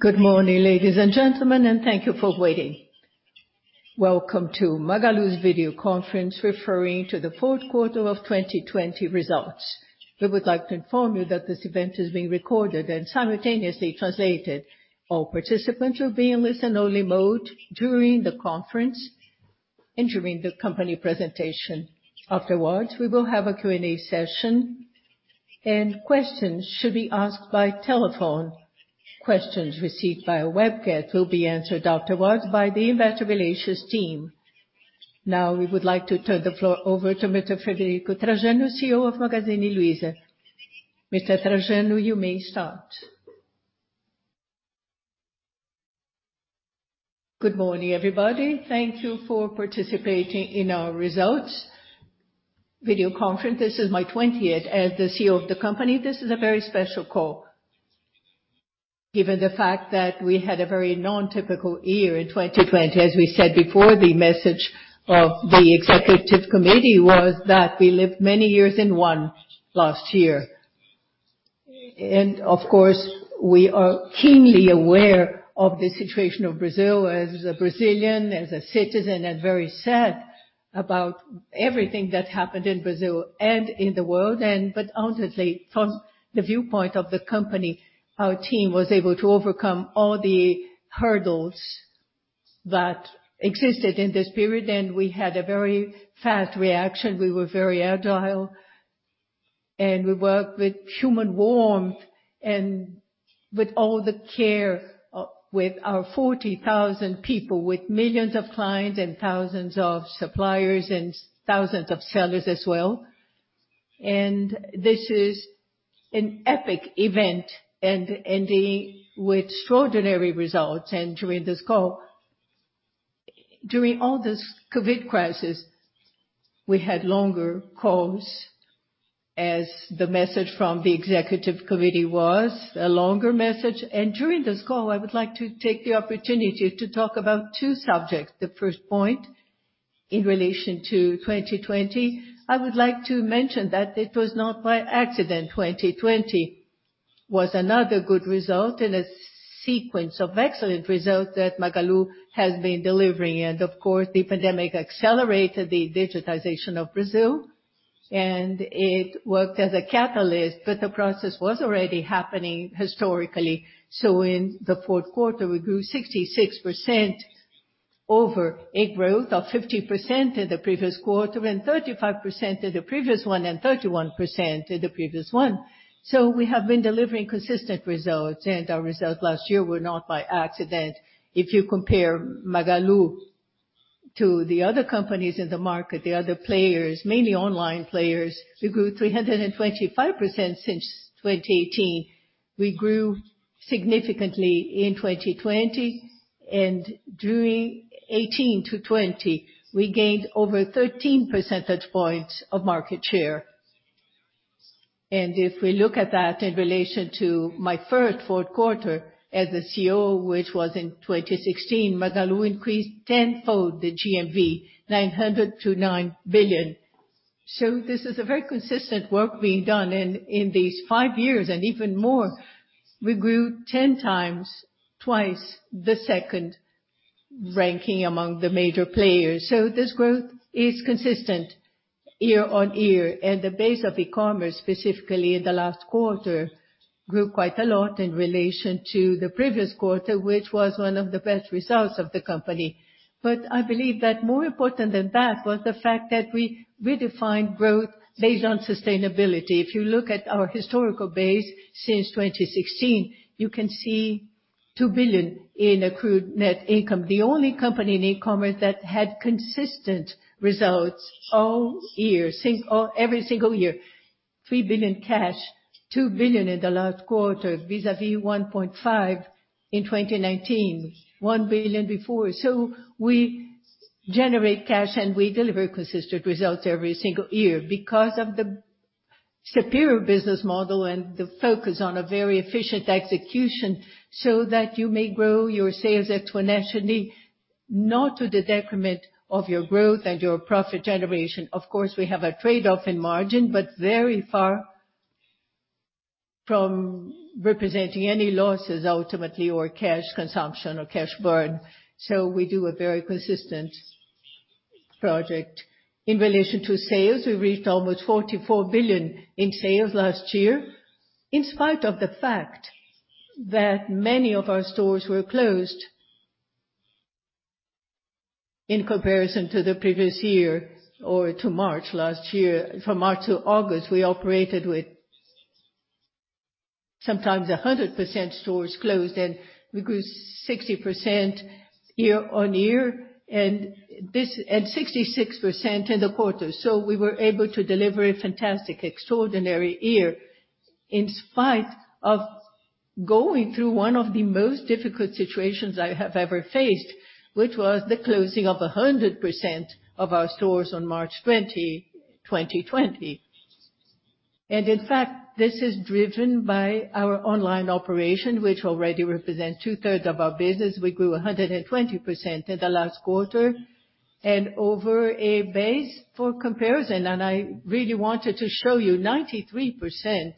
Good morning, ladies and gentlemen, and thank you for waiting. Welcome to Magalu's video conference referring to the fourth quarter of 2020 results. We would like to inform you that this event is being recorded and simultaneously translated. All participants will be in listen only mode during the conference and during the company presentation. Afterwards, we will have a Q&A session, and questions should be asked by telephone. Questions received via webcast will be answered afterwards by the investor relations team. Now we would like to turn the floor over to Mr. Frederico Trajano, CEO of Magazine Mr. Trajano, you may start. Good morning, everybody. Thank you for participating in our results video conference. This is my 20th as the CEO of the company. This is a very special call given the fact that we had a very non-typical year in 2020. We said before, the message of the Executive Committee was that we lived many years in one last year. Of course, we are keenly aware of the situation of Brazil as a Brazilian, as a citizen, and very sad about everything that happened in Brazil and in the world. Ultimately, from the viewpoint of the company, our team was able to overcome all the hurdles that existed in this period, and we had a very fast reaction. We were very agile, and we worked with human warmth and with all the care with our 40,000 people, with millions of clients and thousands of suppliers and thousands of sellers as well. This is an epic event and ending with extraordinary results. During this call, during all this COVID crisis, we had longer calls as the message from the Executive Committee was a longer message. During this call, I would like to take the opportunity to talk about two subjects. The first point, in relation to 2020, I would like to mention that it was not by accident 2020 was another good result in a sequence of excellent results that Magalu has been delivering. Of course, the pandemic accelerated the digitization of Brazil, and it worked as a catalyst. The process was already happening historically. In the fourth quarter, we grew 66% over a growth of 50% in the previous quarter and 35% in the previous one, and 31% in the previous one. We have been delivering consistent results, and our results last year were not by accident. If you compare Magalu to the other companies in the market, the other players, mainly online players, we grew 325% since 2018. We grew significantly in 2020. During 2018 to 2020, we gained over 13 percentage points of market share. If we look at that in relation to my third, fourth quarter as a CEO, which was in 2016, Magalu increased tenfold the GMV 900 million to 9 billion. This is a very consistent work being done in these five years and even more. We grew 10 times, twice the second ranking among the major players. This growth is consistent year-on-year. The base of e-commerce, specifically in the last quarter, grew quite a lot in relation to the previous quarter, which was one of the best results of the company. I believe that more important than that was the fact that we redefined growth based on sustainability. If you look at our historical base since 2016, you can see 2 billion in accrued net income. The only company in e-commerce that had consistent results all years, every single year. 3 billion cash, 2 billion in the last quarter, vis-à-vis 1.5 billion in 2019, 1 billion before. We generate cash, and we deliver consistent results every single year because of the superior business model and the focus on a very efficient execution so that you may grow your sales exponentially, not to the detriment of your growth and your profit generation. Of course, we have a trade-off in margin, but very far from representing any losses ultimately or cash consumption or cash burn. We do a very consistent project. In relation to sales, we reached almost 44 billion in sales last year, in spite of the fact that many of our stores were closed in comparison to the previous year or to March last year. From March to August, we operated with sometimes 100% stores closed. We grew 16% year-over-year and 66% in the quarter. We were able to deliver a fantastic, extraordinary year in spite of going through one of the most difficult situations I have ever faced, which was the closing of 100% of our stores on March 20, 2020. In fact, this is driven by our online operation, which already represents 2/3 of our business. We grew 120% in the last quarter. Over a base for comparison, and I really wanted to show you, 93%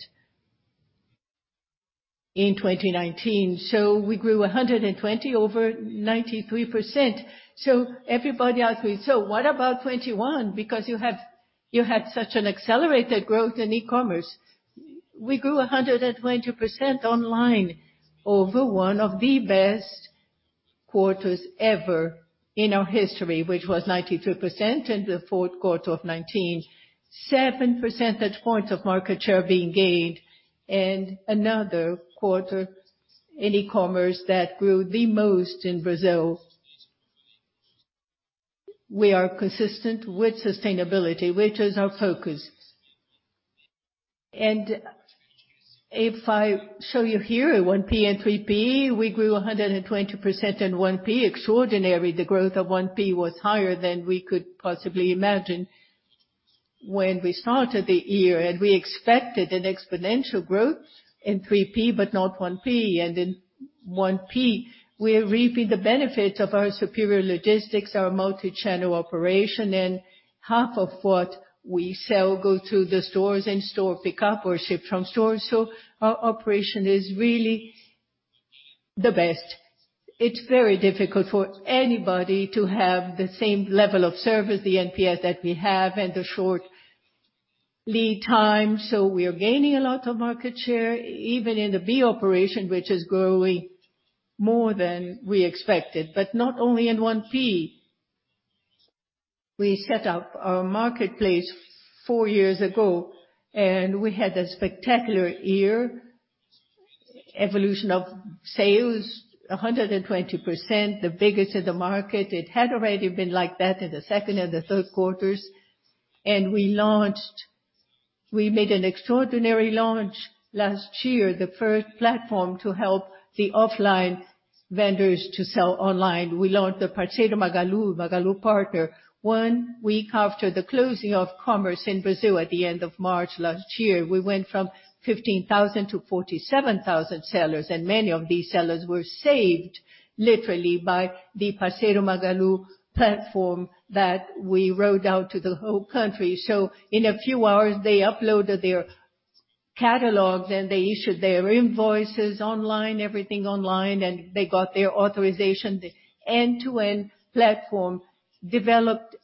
in 2019. We grew 120 over 93%. Everybody asks me, "So what about 2021? You had such an accelerated growth in e-commerce. We grew 120% online over one of the best quarters ever in our history, which was 93% in the fourth quarter of 2019, 7 percentage points of market share being gained, and another quarter in e-commerce that grew the most in Brazil. We are consistent with sustainability, which is our focus. If I show you here at 1P and 3P, we grew 120% in 1P. Extraordinary. The growth of 1P was higher than we could possibly imagine when we started the year, and we expected an exponential growth in 3P, but not 1P. In 1P, we are reaping the benefits of our superior logistics, our multi-channel operation, and half of what we sell go to the stores and store pickup or ship from stores. Our operation is really the best. It's very difficult for anybody to have the same level of service, the NPS that we have and the short lead time. We are gaining a lot of market share, even in the 3P, which is growing more than we expected. Not only in 1P. We set up our marketplace four years ago, and we had a spectacular year. Evolution of sales, 120%, the biggest in the market. It had already been like that in the second and the third quarters. We made an extraordinary launch last year, the first platform to help the offline vendors to sell online. We launched the Parceiro Magalu, Magalu Parker. One week after the closing of commerce in Brazil at the end of March last year, we went from 15,000 to 47,000 sellers. Many of these sellers were saved, literally, by the Parceiro Magalu platform that we rolled out to the whole country. In a few hours, they uploaded their catalogs and they issued their invoices online, everything online, and they got their authorization. The end-to-end platform developed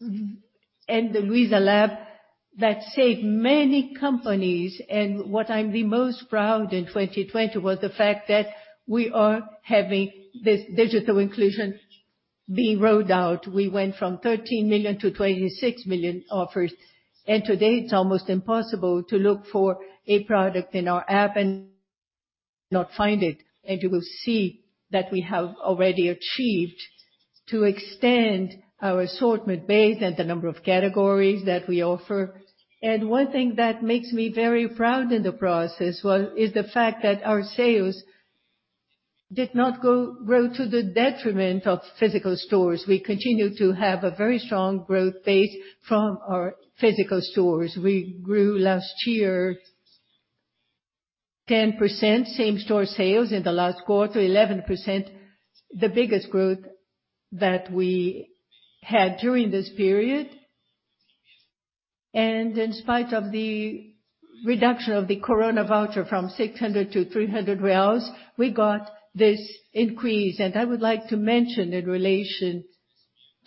in the Luizalabs that saved many companies. What I'm the most proud in 2020 was the fact that we are having this digital inclusion being rolled out. We went from 13 million to 26 million offers. Today, it's almost impossible to look for a product in our app and not find it. You will see that we have already achieved to extend our assortment base and the number of categories that we offer. One thing that makes me very proud in the process is the fact that our sales did not grow to the detriment of physical stores. We continue to have a very strong growth base from our physical stores. We grew last year 10% same store sales in the last quarter, 11%, the biggest growth that we had during this period. In spite of the reduction of the Coronavoucher from 600 to 300 reais, we got this increase. I would like to mention in relation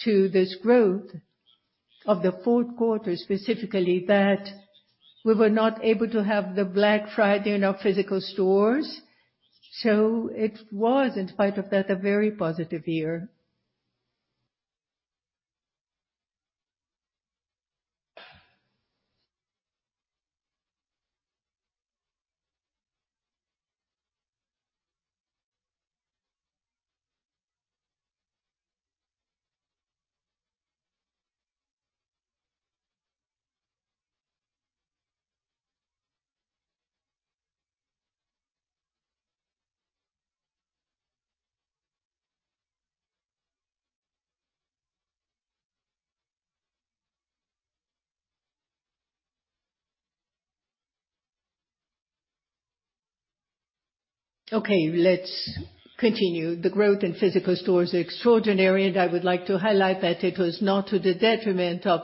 to this growth of the fourth quarter, specifically, that we were not able to have the Black Friday in our physical stores. It was, in spite of that, a very positive year. Let's continue. The growth in physical stores is extraordinary, and I would like to highlight that it was not to the detriment of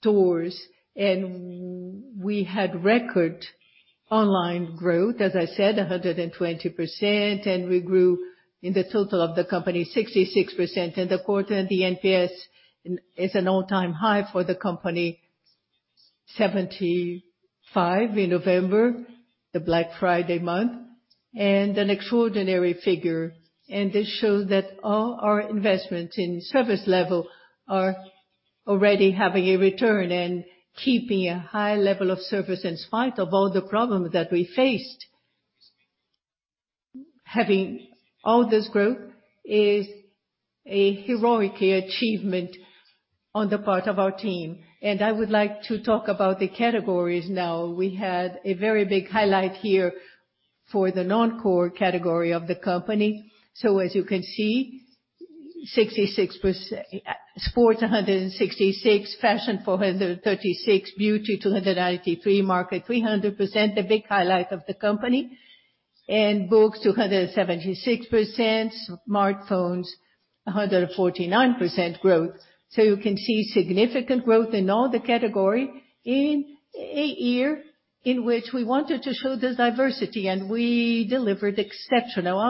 stores. We had record online growth, as I said, 120%, and we grew in the total of the company, 66% in the quarter. The NPS is an all-time high for the company, 75% in November, the Black Friday month, and an extraordinary figure. This shows that all our investment in service level are already having a return and keeping a high level of service in spite of all the problems that we faced. Having all this growth is a heroic achievement on the part of our team. I would like to talk about the categories now. We had a very big highlight here for the non-core category of the company. As you can see, sports, 166%, fashion, 436%, beauty, 293%. Market, 300%, a big highlight of the company. Books, 276%, smartphones 149% growth. You can see significant growth in all categories in a year in which we wanted to show this diversity, and we delivered exceptional,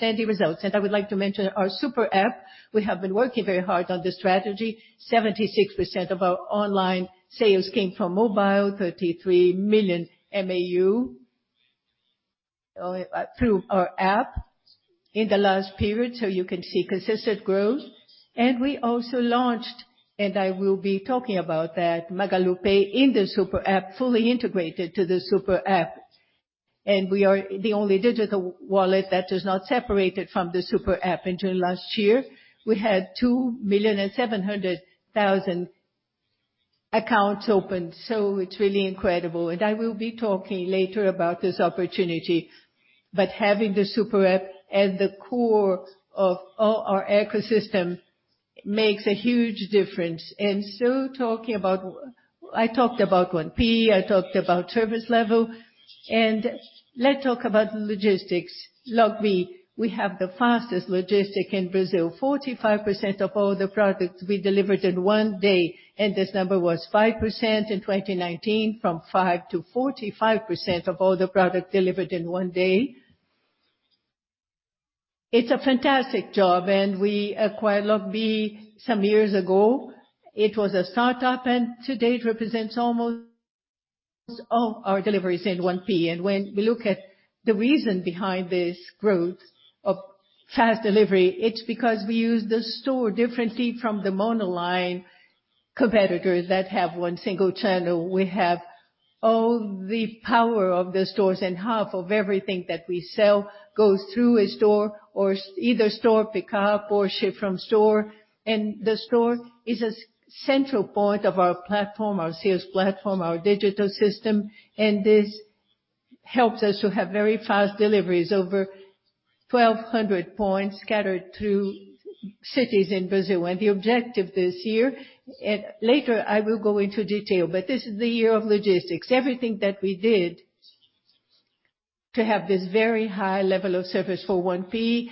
outstanding results. I would like to mention our SuperApp. We have been working very hard on this strategy. 76% of our online sales came from mobile, 33 million MAU through our SuperApp in the last period. You can see consistent growth. We also launched, and I will be talking about that, MagaluPay in the SuperApp, fully integrated to the SuperApp. We are the only digital wallet that is not separated from the SuperApp. Until last year, we had 2,700,000 accounts opened, so it's really incredible. I will be talking later about this opportunity, but having the SuperApp at the core of our ecosystem makes a huge difference. I talked about 1P, I talked about service level. Let's talk about the logistics. Logbee, we have the fastest logistics in Brazil. 45% of all the products we delivered in one day, and this number was 5% in 2019, from 5% to 45% of all the products delivered in one day. It's a fantastic job, and we acquired Logbee some years ago. It was a startup, and today it represents almost all our deliveries in 1P. When we look at the reason behind this growth of fast delivery, it's because we use the store differently from the monoline competitors that have one single channel. We have all the power of the stores, and half of everything that we sell goes through a store or either store pickup or ship from store. The store is a central point of our platform, our sales platform, our digital system. This helps us to have very fast deliveries, over 1,200 points scattered through cities in Brazil. The objective this year, and later I will go into detail, but this is the year of logistics. Everything that we did to have this very high level of service for 1P,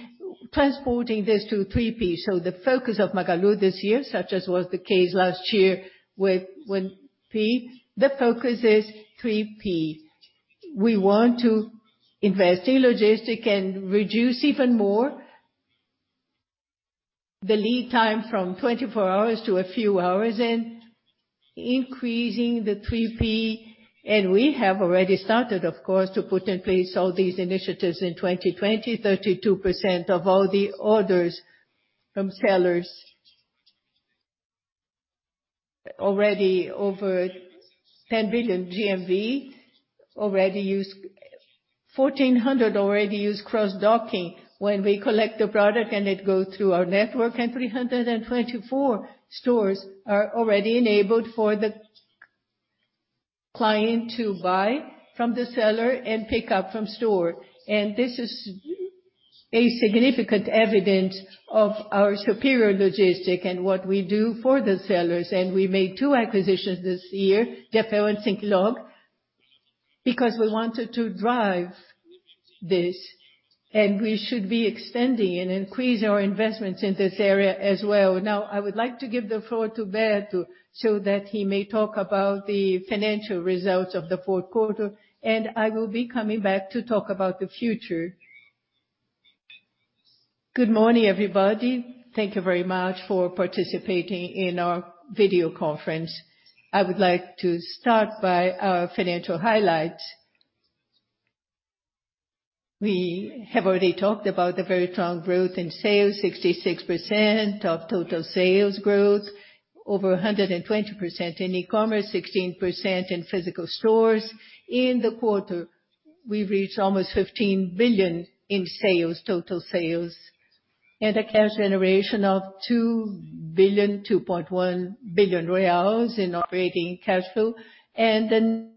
transporting this to 3P. The focus of Magalu this year, such as was the case last year with 1P, the focus is 3P. We want to invest in logistics and reduce even more the lead time from 24 hours to a few hours and increasing the 3P. We have already started, of course, to put in place all these initiatives in 2020. 32% of all the orders from sellers already over 10 billion GMV, 1,400 already use cross-docking when we collect the product and it go through our network, and 324 stores are already enabled for the client to buy from the seller and pick up from store. This is a significant evidence of our superior logistics and what we do for the sellers. We made two acquisitions this year, GFL and SincLog, because we wanted to drive this, and we should be extending and increase our investments in this area as well. Now, I would like to give the floor to Beto so that he may talk about the financial results of the fourth quarter. I will be coming back to talk about the future. Good morning, everybody. Thank you very much for participating in our video conference. I would like to start by our financial highlights. We have already talked about the very strong growth in sales, 66% of total sales growth. Over 120% in e-commerce, 16% in physical stores. In the quarter, we reached almost 15 billion in sales, total sales. A cash generation of 2 billion, 2.1 billion reais in operating cash flow. An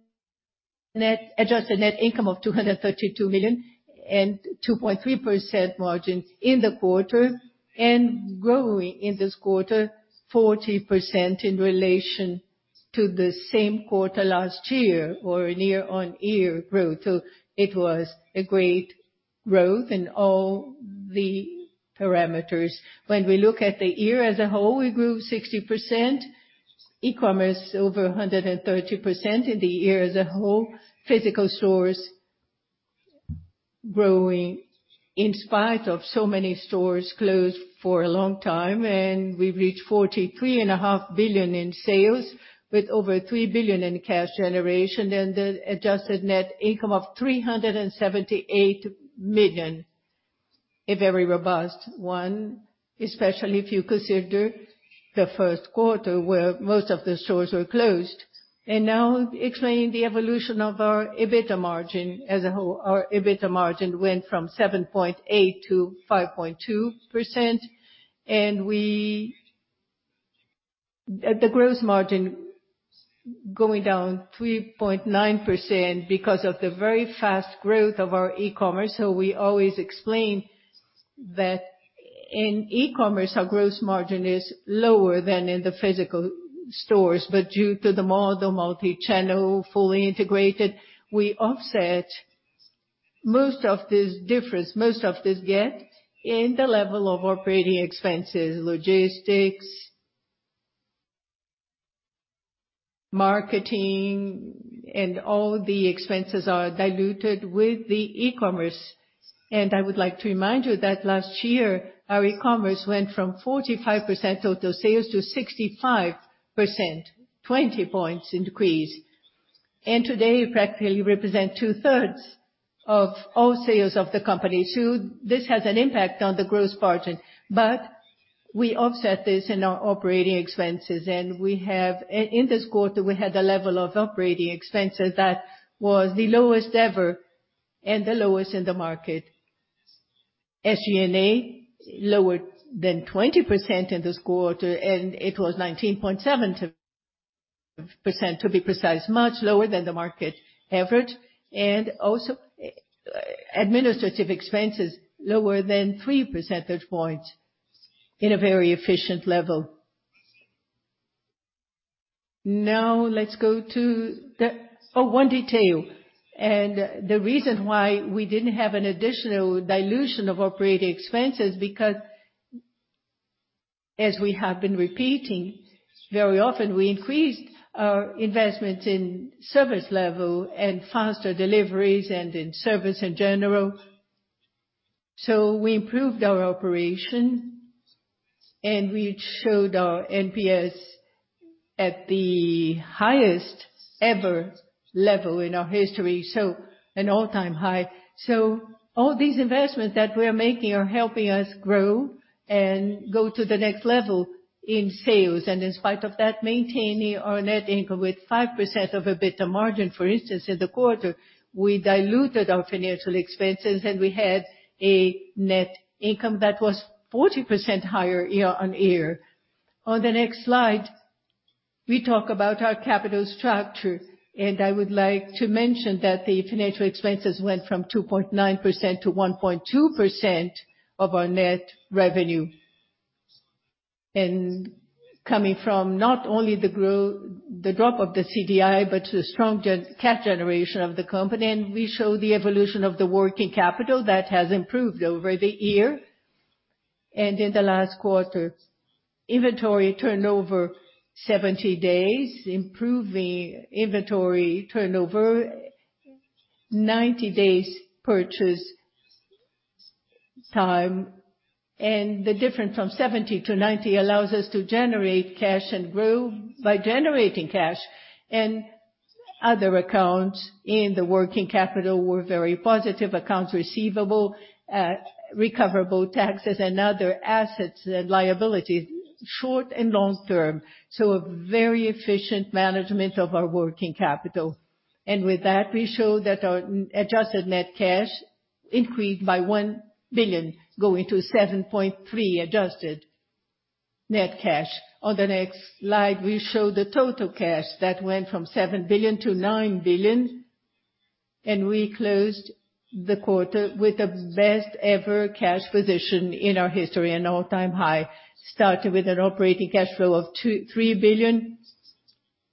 adjusted net income of 232 million, and 2.3% margin in the quarter. Growing in this quarter, 40% in relation to the same quarter last year or a year-on-year growth. It was a great growth in all the parameters. When we look at the year as a whole, we grew 60%, e-commerce over 130% in the year as a whole. Physical stores growing in spite of so many stores closed for a long time, and we've reached 43.5 billion in sales with over 3 billion in cash generation and the adjusted net income of 378 million. A very robust one, especially if you consider the first quarter where most of the stores were closed. Now explaining the evolution of our EBITDA margin as a whole. Our EBITDA margin went from 7.8% to 5.2%, the gross margin going down 3.9% because of the very fast growth of our e-commerce. We always explain that. In e-commerce, our gross margin is lower than in the physical stores. Due to the model, multi-channel, fully integrated, we offset most of this difference, most of this gap, in the level of operating expenses, logistics, marketing, and all the expenses are diluted with the e-commerce. I would like to remind you that last year, our e-commerce went from 45% of total sales to 65%, 20 points increase. Today, practically represent 2/3 of all sales of the company. This has an impact on the gross margin, but we offset this in our operating expenses. In this quarter, we had a level of operating expenses that was the lowest ever and the lowest in the market. SG&A, lower than 20% in this quarter, and it was 19.7% to be precise, much lower than the market average, and also administrative expenses lower than 3 percentage points in a very efficient level. Let's go to the one detail. The reason why we didn't have an additional dilution of operating expenses, because as we have been repeating very often, we increased our investment in service level and faster deliveries and in service in general. We improved our operation, and we showed our NPS at the highest ever level in our history. An all-time high. All these investments that we're making are helping us grow and go to the next level in sales. In spite of that, maintaining our net income with 5% of EBITDA margin, for instance, in the quarter, we diluted our financial expenses, and we had a net income that was 40% higher year-on-year. On the next slide, we talk about our capital structure, and I would like to mention that the financial expenses went from 2.9% to 1.2% of our net revenue, coming from not only the drop of the CDI, but the strong cash generation of the company. We show the evolution of the working capital that has improved over the year. In the last quarter, inventory turnover 70 days, improving inventory turnover 90 days purchase time. The difference from 70 to 90 allows us to generate cash and grow by generating cash. Other accounts in the working capital were very positive. Accounts receivable, recoverable taxes, and other assets and liabilities, short and long term. A very efficient management of our working capital. With that, we show that our adjusted net cash increased by 1 billion, going to 7.3 billion adjusted net cash. On the next slide, we show the total cash that went from 7 billion to 9 billion. We closed the quarter with the best ever cash position in our history and all-time high. We started with an operating cash flow of 3 billion.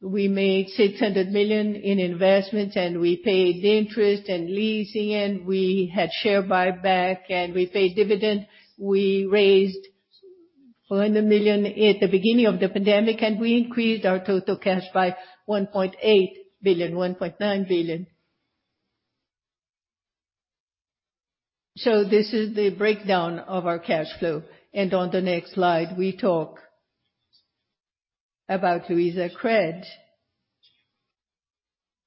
We made 600 million in investments. We paid interest and leasing. We had share buyback. We paid dividend. We raised 400 million at the beginning of the pandemic. We increased our total cash by 1.8 billion, 1.9 billion. This is the breakdown of our cash flow. On the next slide, we talk about Luizacred.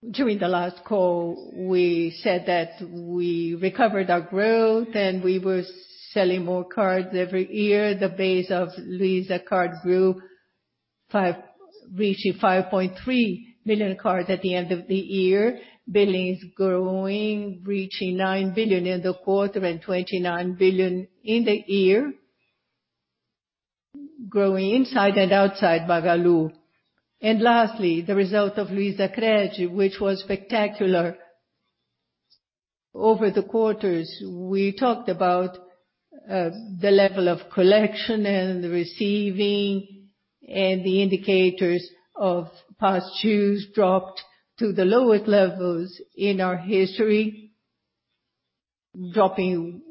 During the last call, we said that we recovered our growth, and we were selling more cards every year. The base of Luiza Card grew, reaching 5.3 million cards at the end of the year. Billings growing, reaching 9 billion in the quarter and 29 billion in the year, growing inside and outside Magalu. Lastly, the result of Luizacred, which was spectacular over the quarters. We talked about the level of collection and the receiving and the indicators of past dues dropped to the lowest levels in our history, dropping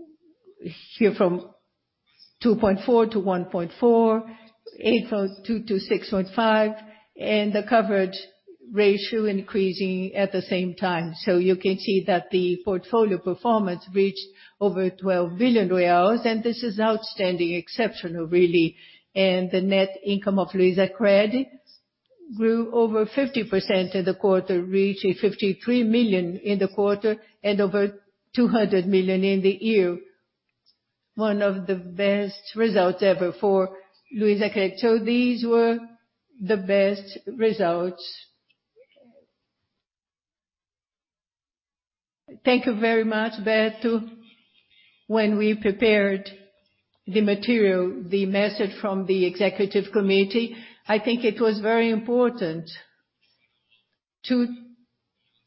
here from 2.4% to 1.4%, 8.2% to 6.5%, and the coverage ratio increasing at the same time. You can see that the portfolio performance reached over BRL 12 billion. This is outstanding, exceptional, really. The net income of Luizacred grew over 50% in the quarter, reaching 53 million in the quarter and over 200 million in the year. One of the best results ever for Luizacred. These were the best results. Thank you very much, Beto. When we prepared the material, the message from the executive committee, I think it was very important to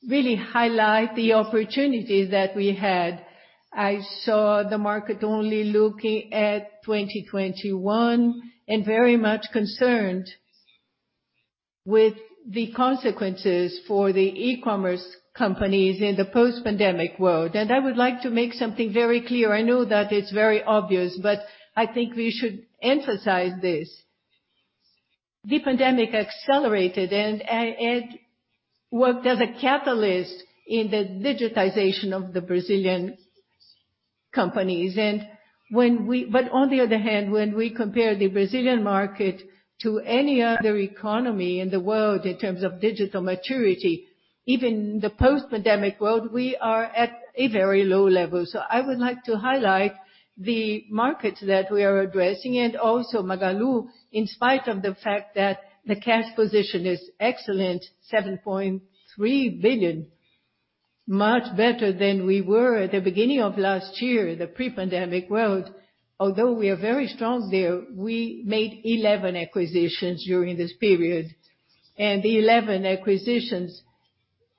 really highlight the opportunities that we had. I saw the market only looking at 2021 and very much concerned with the consequences for the e-commerce companies in the post-pandemic world. I would like to make something very clear. I know that it's very obvious, but I think we should emphasize this. The pandemic accelerated and worked as a catalyst in the digitization of the Brazilian companies. On the other hand, when we compare the Brazilian market to any other economy in the world in terms of digital maturity, even the post-pandemic world, we are at a very low level. I would like to highlight the markets that we are addressing and also Magalu, in spite of the fact that the cash position is excellent, 7.3 billion, much better than we were at the beginning of last year, the pre-pandemic world. Although we are very strong there, we made 11 acquisitions during this period. The 11 acquisitions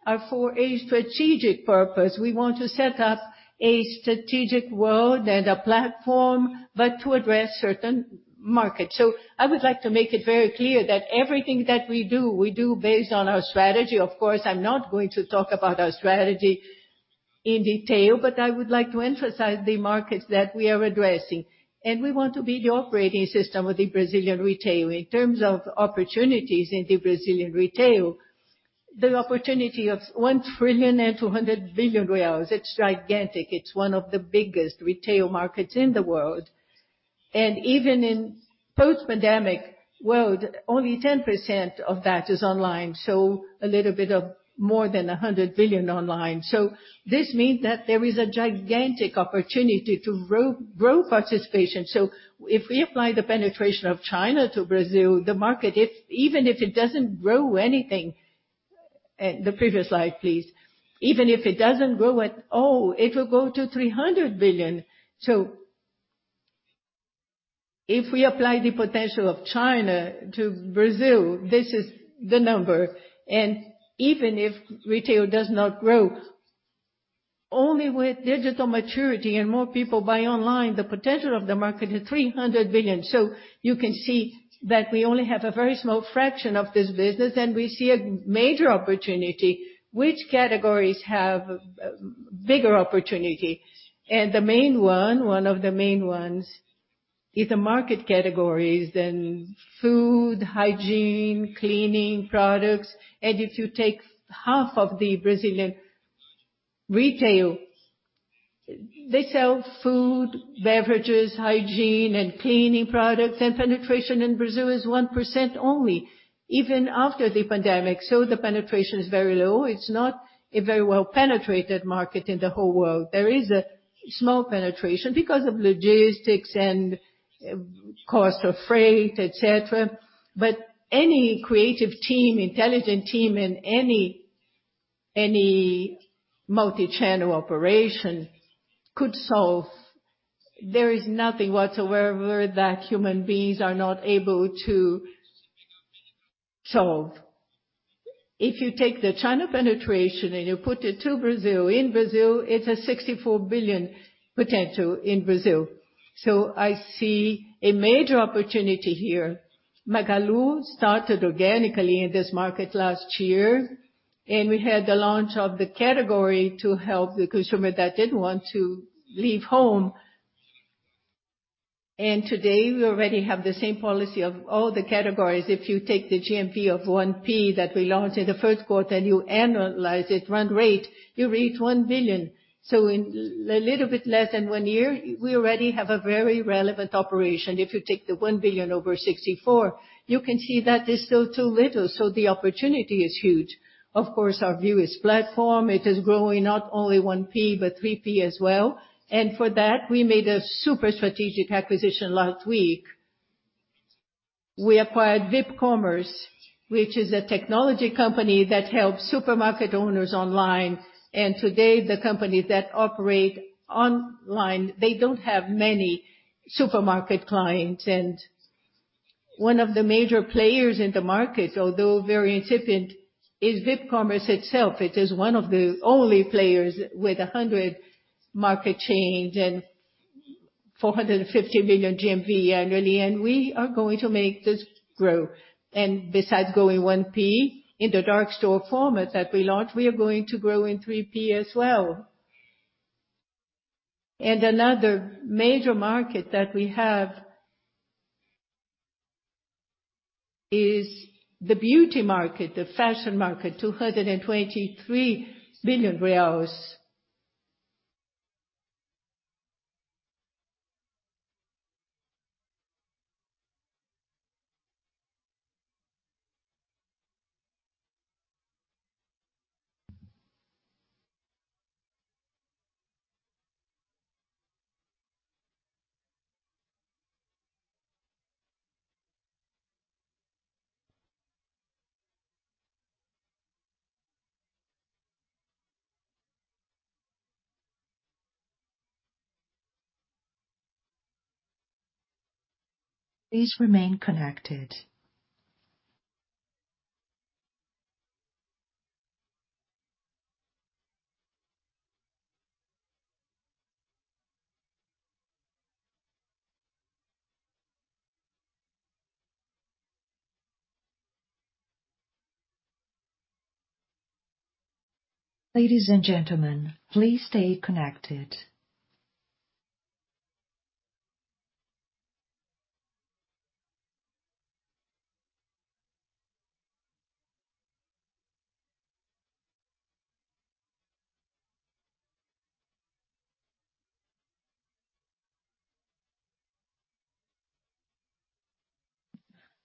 are for a strategic purpose. We want to set up a strategic world and a platform, but to address certain markets. I would like to make it very clear that everything that we do, we do based on our strategy. Of course, I'm not going to talk about our strategy in detail, but I would like to emphasize the markets that we are addressing. We want to be the operating system of the Brazilian retail. In terms of opportunities in the Brazilian retail, the opportunity of BRL 1.2 billion, it is gigantic. It is one of the biggest retail markets in the world. Even in post-pandemic world, only 10% of that is online. A little bit of more than 100 billion online. This means that there is a gigantic opportunity to grow participation. If we apply the penetration of China to Brazil, the market, even if it doesn't grow anything. The previous slide, please. Even if it doesn't grow at all, it will go to 300 billion. If we apply the potential of China to Brazil, this is the number. Even if retail does not grow, only with digital maturity and more people buy online, the potential of the market is 300 billion. You can see that we only have a very small fraction of this business, and we see a major opportunity. Which categories have a bigger opportunity? One of the main ones is the market categories, then food, hygiene, cleaning products. If you take half of the Brazilian retail, they sell food, beverages, hygiene, and cleaning products. Penetration in Brazil is 1% only, even after the pandemic. The penetration is very low. It is not a very well-penetrated market in the whole world. There is a small penetration because of logistics and cost of freight, et cetera. Any creative team, intelligent team in any multi-channel operation could solve. There is nothing whatsoever that human beings are not able to solve. If you take the China penetration and you put it to Brazil, in Brazil, it's a 64 billion potential in Brazil. I see a major opportunity here. Magalu started organically in this market last year, and we had the launch of the category to help the consumer that didn't want to leave home. Today, we already have the same policy of all the categories. If you take the GMV of 1P that we launched in the first quarter and you annualize it run rate, you reach 1 billion. In a little bit less than one year, we already have a very relevant operation. If you take the 1 billion over 64 billion, you can see that is still too little. The opportunity is huge. Of course, our view is platform. It is growing not only 1P, but 3P as well. For that, we made a super strategic acquisition last week. We acquired VipCommerce, which is a technology company that helps supermarket owners online. Today, the company that operate online, they don't have many supermarket clients. One of the major players in the market, although very incipient, is VipCommerce itself. It is one of the only players with 100 market chains and 450 million GMV annually. We are going to make this grow. Besides going 1P in the dark store format that we launched, we are going to grow in 3P as well. Another major market that we have is the beauty market, the fashion market, BRL 223 billion. Please remain connected. Ladies and gentlemen, please stay connected.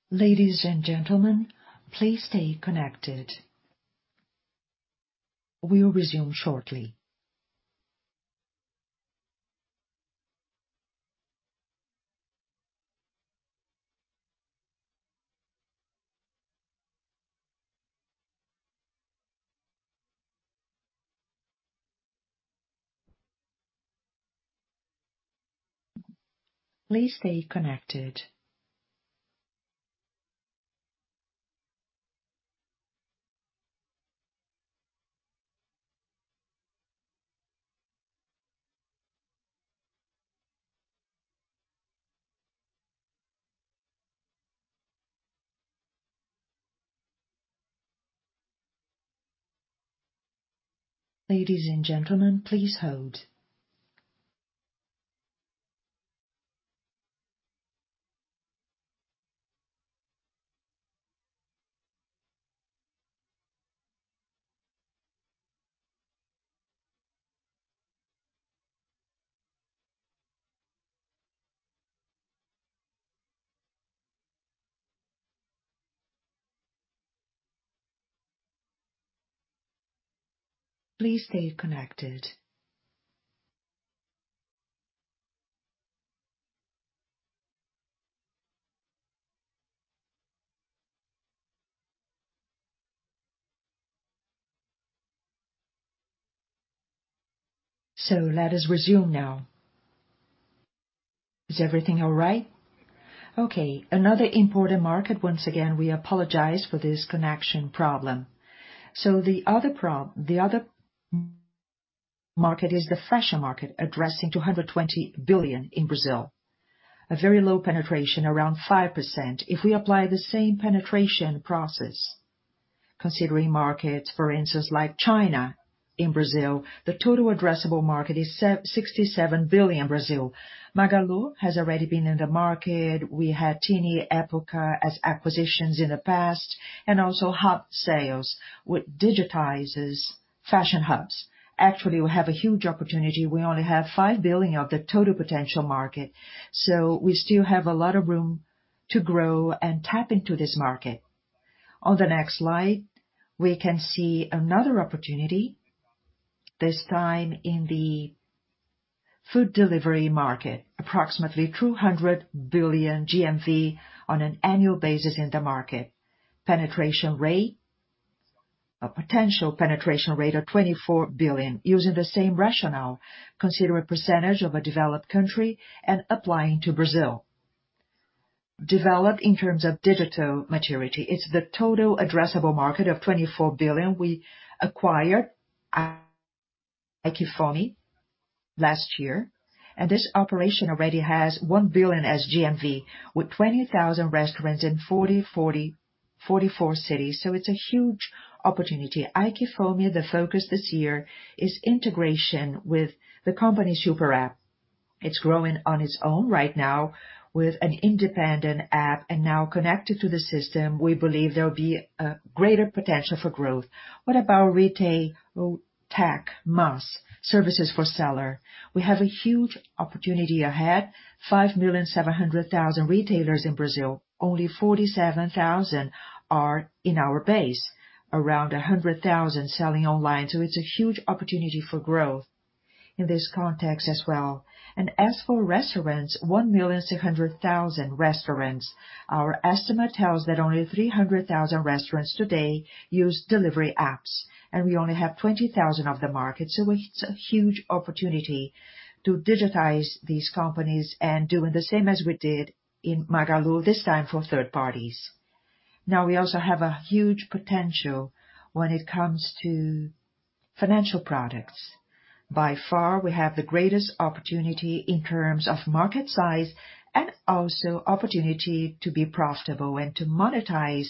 Ladies and gentlemen, please stay connected. We'll resume shortly. Please stay connected. Ladies and gentlemen, please hold. Please stay connected. Let us resume now. Is everything all right? Okay. Another important market. Once again, we apologize for this connection problem. The other market is the fashion market, addressing 220 billion in Brazil. A very low penetration, around 5%. If we apply the same penetration process considering markets, for instance, like China in Brazil, the total addressable market is 67 billion Brazil. Magalu has already been in the market. We had Zattini, Época as acquisitions in the past, and also Hubsales, which digitizes fashion hubs. Actually, we have a huge opportunity. We only have 5 billion of the total potential market. We still have a lot of room to grow and tap into this market. On the next slide, we can see another opportunity, this time in the food delivery market. Approximately 200 billion GMV on an annual basis in the market. Penetration rate. A potential penetration rate of 24 billion using the same rationale, considering percentage of a developed country and applying to Brazil. Developed in terms of digital maturity. It's the total addressable market of 24 billion. We acquired AiQFome last year, and this operation already has 1 billion as GMV, with 20,000 restaurants in 44 cities. It's a huge opportunity. AiQFome, the focus this year is integration with the company SuperApp. It's growing on its own right now with an independent app, and now connected to the system, we believe there'll be a greater potential for growth. What about retail tech, MaaS, services for seller? We have a huge opportunity ahead. 5,700,000 retailers in Brazil. Only 47,000 are in our base. Around 100,000 selling online. It's a huge opportunity for growth in this context as well. As for restaurants, 1,600,000 restaurants. Our estimate tells that only 300,000 restaurants today use delivery apps, and we only have 20,000 of the market. It's a huge opportunity to digitize these companies and doing the same as we did in Magalu, this time for third parties. Now, we also have a huge potential when it comes to financial products. By far, we have the greatest opportunity in terms of market size and also opportunity to be profitable and to monetize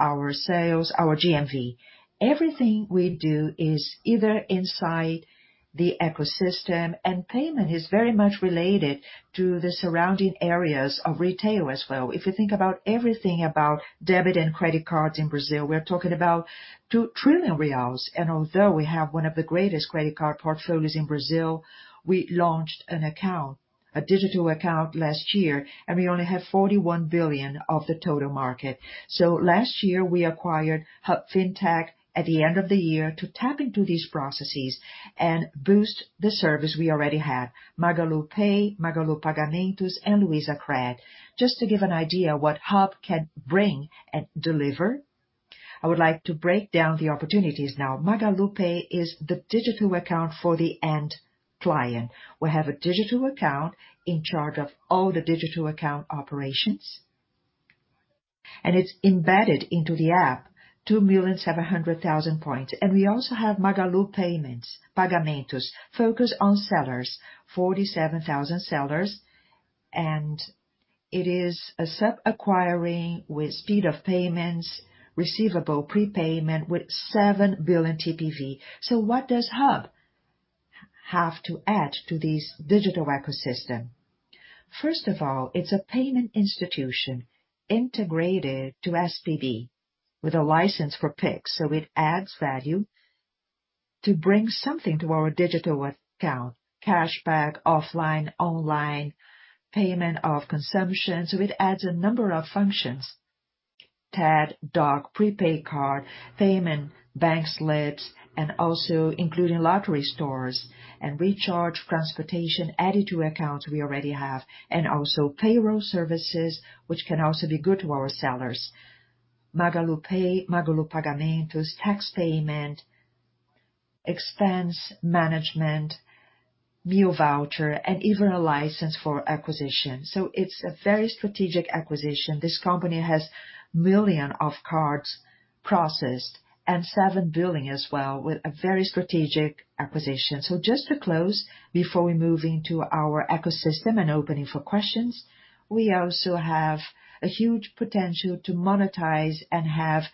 our sales, our GMV. Everything we do is either inside the ecosystem, and payment is very much related to the surrounding areas of retail as well. If you think about everything about debit and credit cards in Brazil, we're talking about 2 trillion reais. Although we have one of the greatest credit card portfolios in Brazil, we launched an account, a digital account last year, and we only have 41 billion of the total market. Last year, we acquired Hub Fintech at the end of the year to tap into these processes and boost the service we already have. MagaluPay, Magalu Pagamentos, and Luizacred. Just to give an idea what Hub can bring and deliver. I would like to break down the opportunities now. MagaluPay is the digital account for the end client. We have a digital account in charge of all the digital account operations. It's embedded into the app, 2.7 million points. We also have Magalu Pagamentos, focused on sellers, 47,000 sellers. It is a sub-acquiring with speed of payments, receivable prepayment with 7 billion TPV. What does Hub have to add to this digital ecosystem? First of all, it's a payment institution integrated to SPB with a license for PIX. It adds value to bring something to our digital account, cashback, offline, online, payment of consumption. It adds a number of functions. TED, DOC, prepaid card, payment, bank slips, and also including lottery stores and recharge transportation added to accounts we already have. Also payroll services, which can also be good to our sellers. Magalu Pagamentos, tax payment, expense management, meal voucher, and even a license for acquisition. It's a very strategic acquisition. This company has million of cards processed and 7 billion as well, with a very strategic acquisition. Just to close, before we move into our ecosystem and opening for questions, we also have a huge potential to monetize and have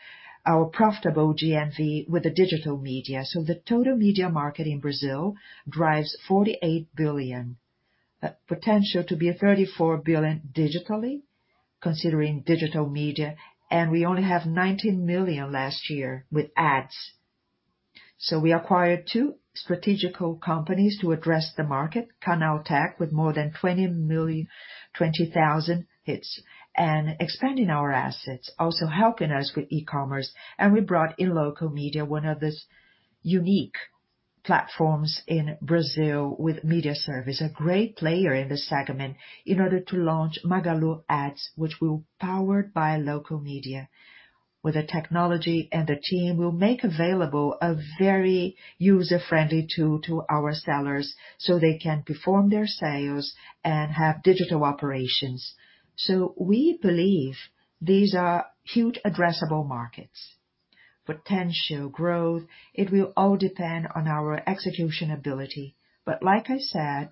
our profitable GMV with the digital media. The total media market in Brazil drives 48 billion. A potential to be a 34 billion digitally considering digital media. We only have 19 million last year with ads. We acquired two strategic companies to address the market: Canaltech, with more than 20,000 hits, and expanding our assets, also helping us with e-commerce. We brought in Inloco Media, one of the unique platforms in Brazil with media service, a great player in the segment in order to launch Magalu Ads, which will be powered by Inloco Media. With the technology and the team, we will make available a very user-friendly tool to our sellers so they can perform their sales and have digital operations. We believe these are huge addressable markets. Potential growth, it will all depend on our execution ability. Like I said,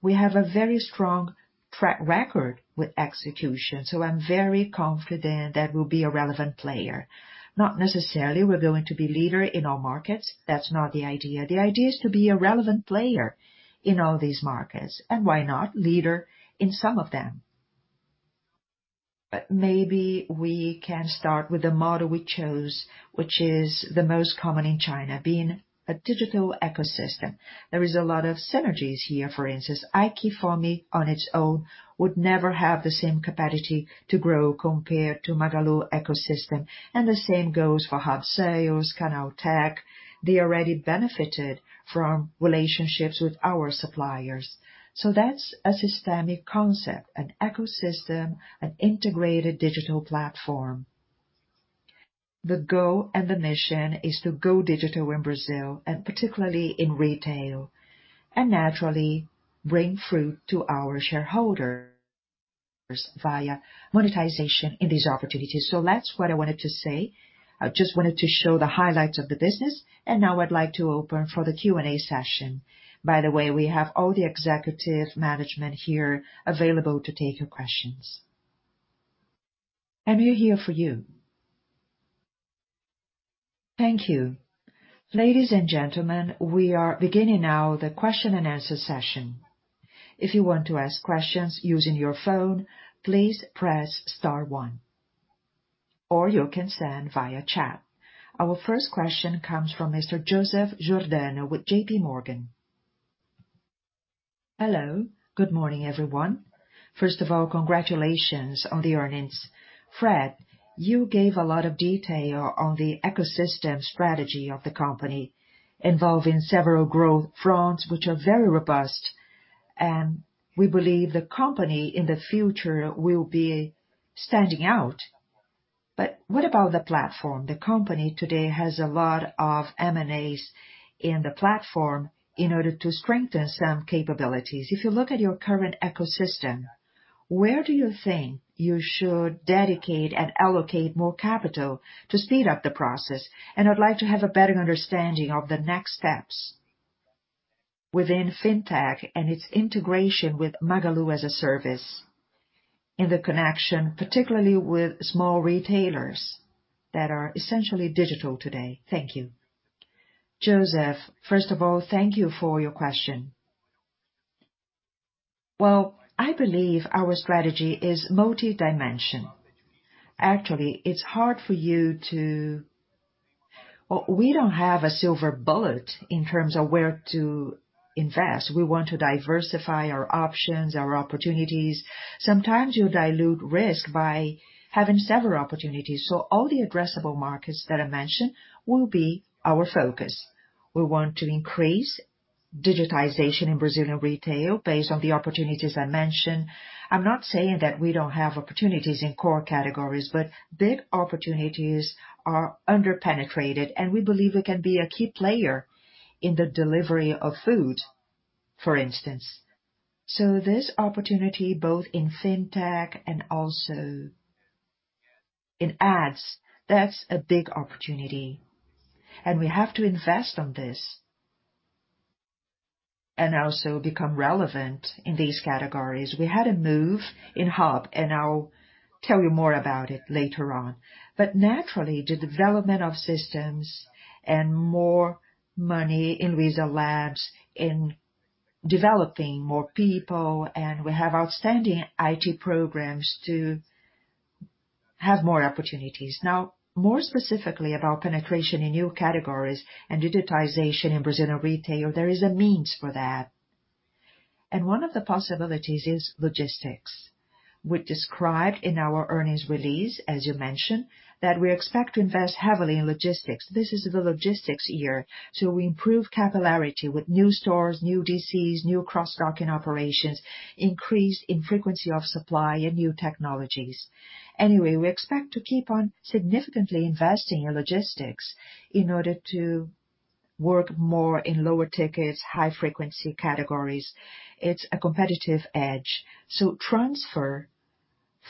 we have a very strong track record with execution. I am very confident that we will be a relevant player. Not necessarily we're going to be leader in all markets. That's not the idea. The idea is to be a relevant player in all these markets. Why not leader in some of them. Maybe we can start with the model we chose, which is the most common in China, being a digital ecosystem. There is a lot of synergies here. For instance, AiQFome on its own would never have the same capacity to grow compared to Magalu ecosystem. The same goes for Hubsales, Canaltech. They already benefited from relationships with our suppliers. That's a systemic concept, an ecosystem, an integrated digital platform. The goal and the mission is to go digital in Brazil and particularly in retail, and naturally bring fruit to our shareholders via monetization in these opportunities. That's what I wanted to say. I just wanted to show the highlights of the business. Now I'd like to open for the Q&A session. By the way, we have all the executive management here available to take your questions. We're here for you. Thank you. Ladies and gentlemen, we are beginning now the question and answer session. If you want to ask questions using your phone, please press star one. You can send via chat. Our first question comes from Mr. Joseph Giordano with JPMorgan. Hello. Good morning, everyone. First of all, congratulations on the earnings. Fred, you gave a lot of detail on the ecosystem strategy of the company involving several growth fronts, which are very robust. We believe the company in the future will be standing out. What about the platform? The company today has a lot of M&As in the platform in order to strengthen some capabilities. If you look at your current ecosystem, where do you think you should dedicate and allocate more capital to speed up the process? I'd like to have a better understanding of the next steps within fintech and its integration with Magalu as a Service in the connection, particularly with small retailers that are essentially digital today. Thank you. Joseph, first of all, thank you for your question. Well, I believe our strategy is multi-dimensional. Actually, it's hard for you. Well, we don't have a silver bullet in terms of where to invest. We want to diversify our options, our opportunities. Sometimes you dilute risk by having several opportunities. All the addressable markets that I mentioned will be our focus. We want to increase digitization in Brazilian retail based on the opportunities I mentioned. I am not saying that we do not have opportunities in core categories, but big opportunities are under-penetrated, and we believe we can be a key player in the delivery of food, for instance. This opportunity, both in fintech and also in ads, that is a big opportunity. We have to invest on this and also become relevant in these categories. We had a move in hub, and I will tell you more about it later on. Naturally, the development of systems and more money in Luizalabs, in developing more people, and we have outstanding IT programs to have more opportunities. Now, more specifically about penetration in new categories and digitization in Brazilian retail, there is a means for that. One of the possibilities is logistics. We described in our earnings release, as you mentioned, that we expect to invest heavily in logistics. This is the logistics year to improve capillarity with new stores, new DCs, new cross-docking operations, increase in frequency of supply, and new technologies. Anyway, we expect to keep on significantly investing in logistics in order to work more in lower tickets, high-frequency categories. It's a competitive edge. Transfer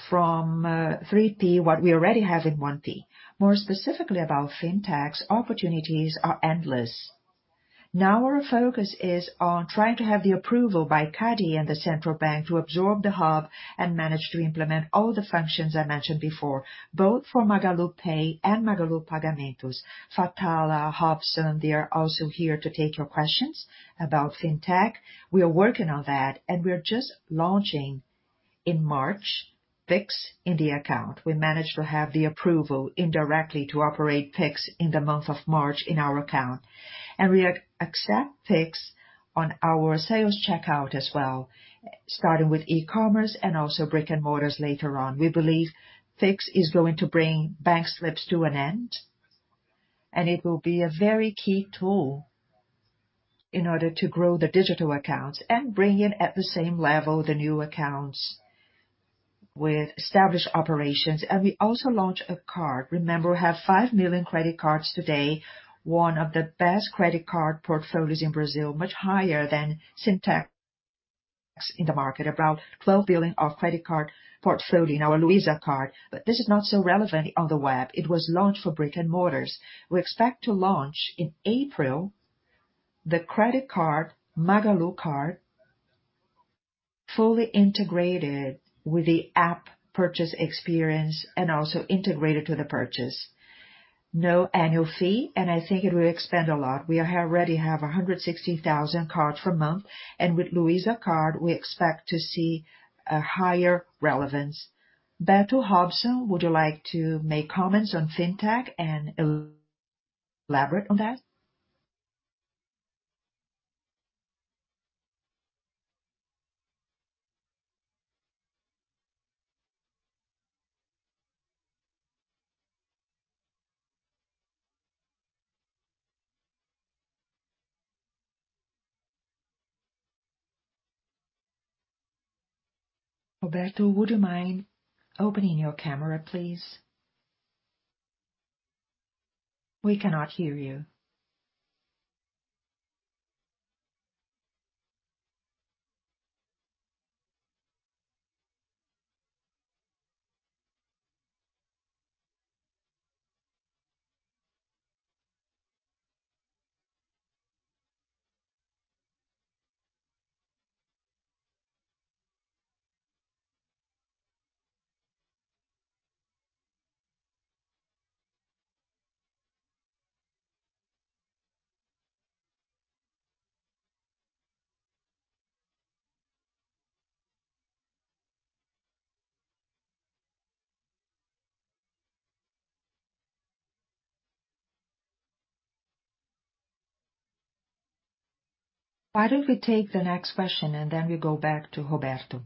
from 3P what we already have in 1P. More specifically about fintechs, opportunities are endless. Now our focus is on trying to have the approval by CADE and the central bank to absorb the Hub and manage to implement all the functions I mentioned before, both for MagaluPay and Magalu Pagamentos. Fatala, Robson, they are also here to take your questions about fintech. We are working on that, and we are just launching in March, PIX in the account. We managed to have the approval indirectly to operate PIX in the month of March in our account. We accept PIX on our sales checkout as well, starting with e-commerce and also brick and mortars later on. We believe PIX is going to bring bank slips to an end, and it will be a very key tool in order to grow the digital accounts and bring in at the same level the new accounts with established operations. We also launched a card. Remember, we have 5 million credit cards today, one of the best credit card portfolios in Brazil, much higher than fintechs in the market, about 12 billion of credit card portfolio in our Luiza Card. This is not so relevant on the web. It was launched for brick and mortars. We expect to launch in April, the credit card, Magalu Card, fully integrated with the app purchase experience and also integrated to the purchase. No annual fee. I think it will expand a lot. We already have 160,000 cards per month, and with Luiza Card, we expect to see a higher relevance. Beto Robson, would you like to make comments on fintech and elaborate on that? Roberto, would you mind opening your camera, please? We cannot hear you. Why don't we take the next question and then we go back to Roberto.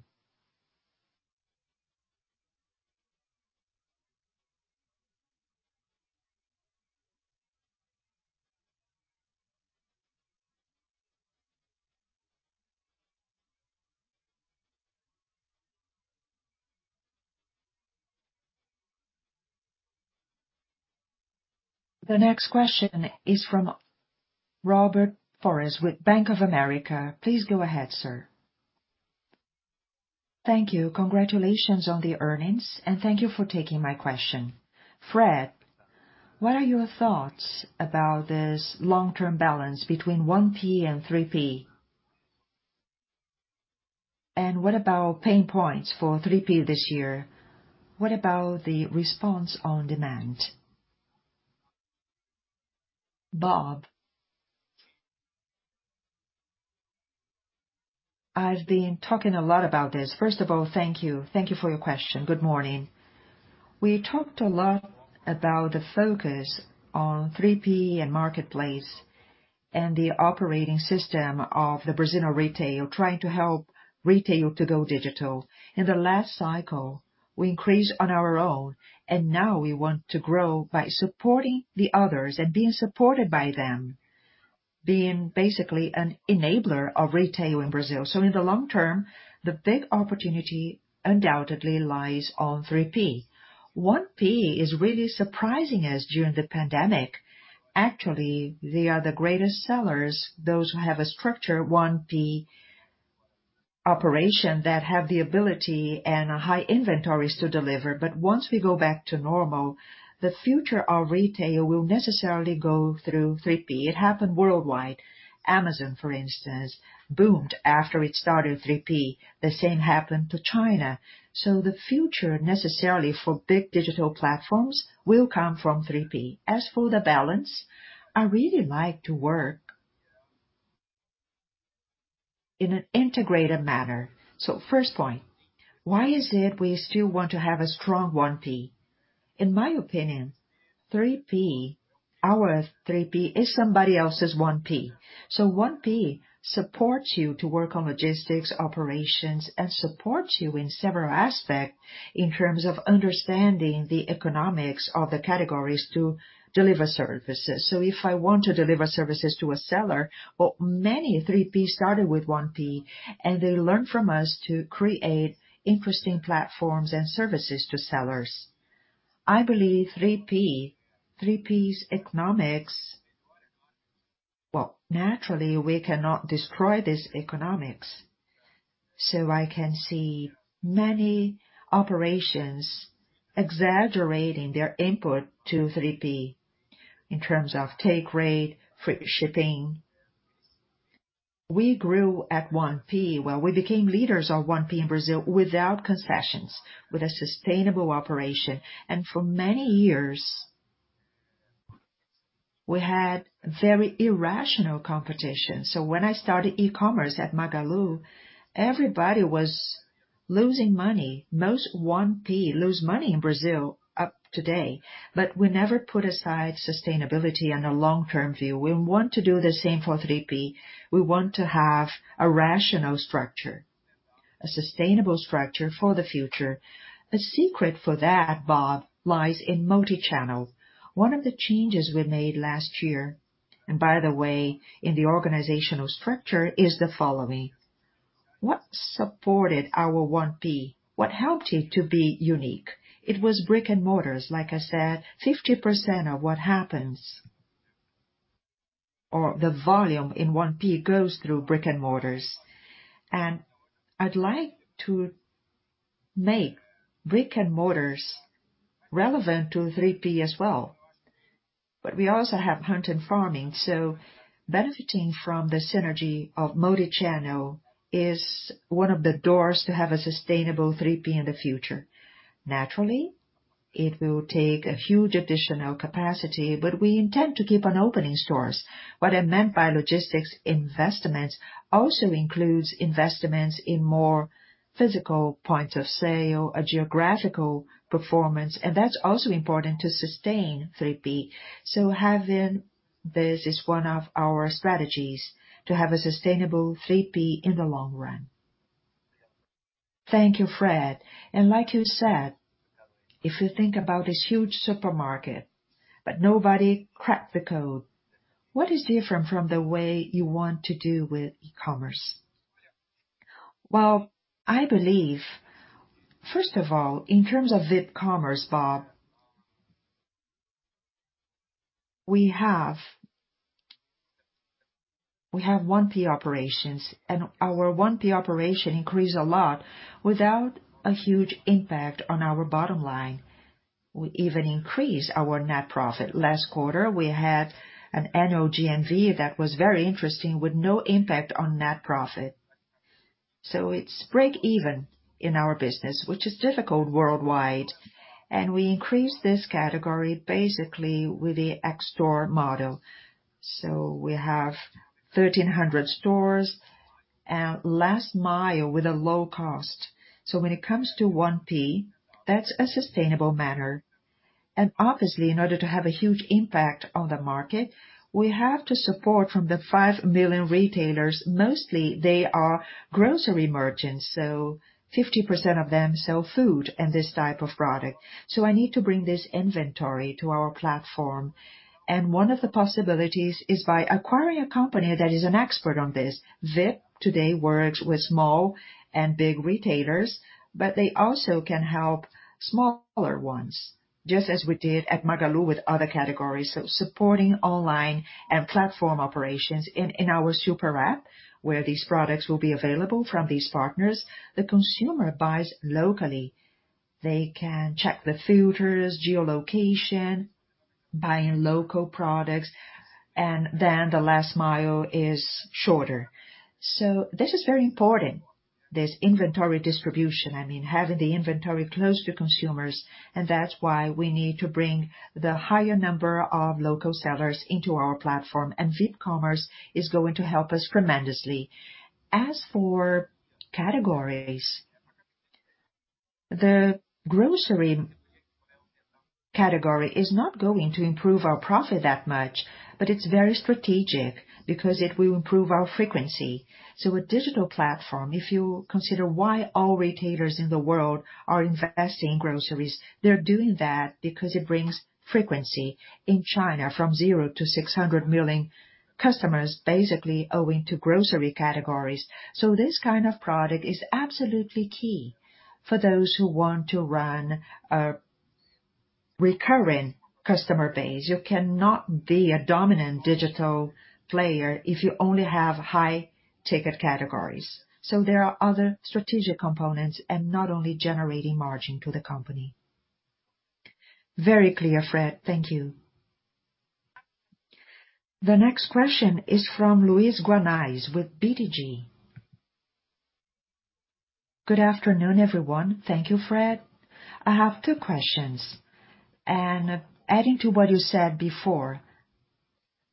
The next question is from Robert Ford with Bank of America. Please go ahead, sir. Thank you. Congratulations on the earnings, and thank you for taking my question. Fred, what are your thoughts about this long-term balance between 1P and 3P? What about pain points for 3P this year? What about the response on demand? Bob. I've been talking a lot about this. First of all, thank you. Thank you for your question. Good morning. We talked a lot about the focus on 3P and marketplace and the operating system of the Brazilian retail, trying to help retail to go digital. In the last cycle, we increased on our own, and now we want to grow by supporting the others and being supported by them. Being basically an enabler of retail in Brazil. In the long term, the big opportunity undoubtedly lies on 3P. 1P is really surprising us during the pandemic. Actually, they are the greatest sellers, those who have a structure 1P operation that have the ability and high inventories to deliver. Once we go back to normal, the future of retail will necessarily go through 3P. It happened worldwide. Amazon, for instance, boomed after it started 3P. The same happened to China. The future necessarily for big digital platforms will come from 3P. As for the balance, I really like to work in an integrated manner. First point, why is it we still want to have a strong 1P? In my opinion, our 3P is somebody else's 1P. 1P supports you to work on logistics, operations, and supports you in several aspects in terms of understanding the economics of the categories to deliver services. If I want to deliver services to a seller, well, many 3P started with 1P, and they learn from us to create interesting platforms and services to sellers. I believe 3P's economics, well, naturally, we cannot destroy this economics. I can see many operations exaggerating their input to 3P in terms of take rate, free shipping. We grew at 1P. Well, we became leaders of 1P in Brazil without concessions, with a sustainable operation. For many years, we had very irrational competition. When I started e-commerce at Magalu, everybody was losing money. Most 1P lose money in Brazil up today, we never put aside sustainability and a long-term view. We want to do the same for 3P. We want to have a rational structure, a sustainable structure for the future. The secret for that, Bob, lies in multi-channel. One of the changes we made last year, and by the way, in the organizational structure, is the following. What supported our 1P? What helped it to be unique? It was brick-and-mortars. Like I said, 50% of what happens, or the volume in 1P goes through brick-and-mortars. I'd like to make brick-and-mortars relevant to 3P as well. We also have hunt and farming. Benefiting from the synergy of multi-channel is one of the doors to have a sustainable 3P in the future. Naturally, it will take a huge additional capacity, but we intend to keep on opening stores. What I meant by logistics investments also includes investments in more physical points of sale, a geographical performance, that's also important to sustain 3P. Having this is one of our strategies to have a sustainable 3P in the long run. Thank you, Fred. Like you said, if you think about this huge supermarket, but nobody cracked the code, what is different from the way you want to do with e-commerce? I believe, first of all, in terms of VipCommerce, Bob, we have 1P operations, and our 1P operation increased a lot without a huge impact on our bottom line. We even increased our net profit. Last quarter, we had an annual GMV that was very interesting with no impact on net profit. It's break-even in our business, which is difficult worldwide. We increased this category basically with the X-store model. We have 1,300 stores and last mile with a low cost. When it comes to 1P, that's a sustainable manner. Obviously, in order to have a huge impact on the market, we have to support from the 5 million retailers. Mostly they are grocery merchants, so 50% of them sell food and this type of product. I need to bring this inventory to our platform. One of the possibilities is by acquiring a company that is an expert on this. Vip today works with small and big retailers, but they also can help smaller ones, just as we did at Magalu with other categories. Supporting online and platform operations in our SuperApp, where these products will be available from these partners. The consumer buys locally. They can check the filters, geolocation, buying local products, and then the last mile is shorter. This is very important, this inventory distribution. Having the inventory close to consumers. That's why we need to bring the higher number of local sellers into our platform. VipCommerce is going to help us tremendously. As for categories, the grocery category is not going to improve our profit that much, but it's very strategic because it will improve our frequency. A digital platform, if you consider why all retailers in the world are investing in groceries, they're doing that because it brings frequency. In China, from 0 to 600 million customers, basically owing to grocery categories. This kind of product is absolutely key for those who want to run a recurring customer base. You cannot be a dominant digital player if you only have high-ticket categories. There are other strategic components and not only generating margin to the company. Very clear, Fred. Thank you. The next question is from Luiz Guanais with BTG. Good afternoon, everyone. Thank you, Fred. I have two questions. adding to what you said before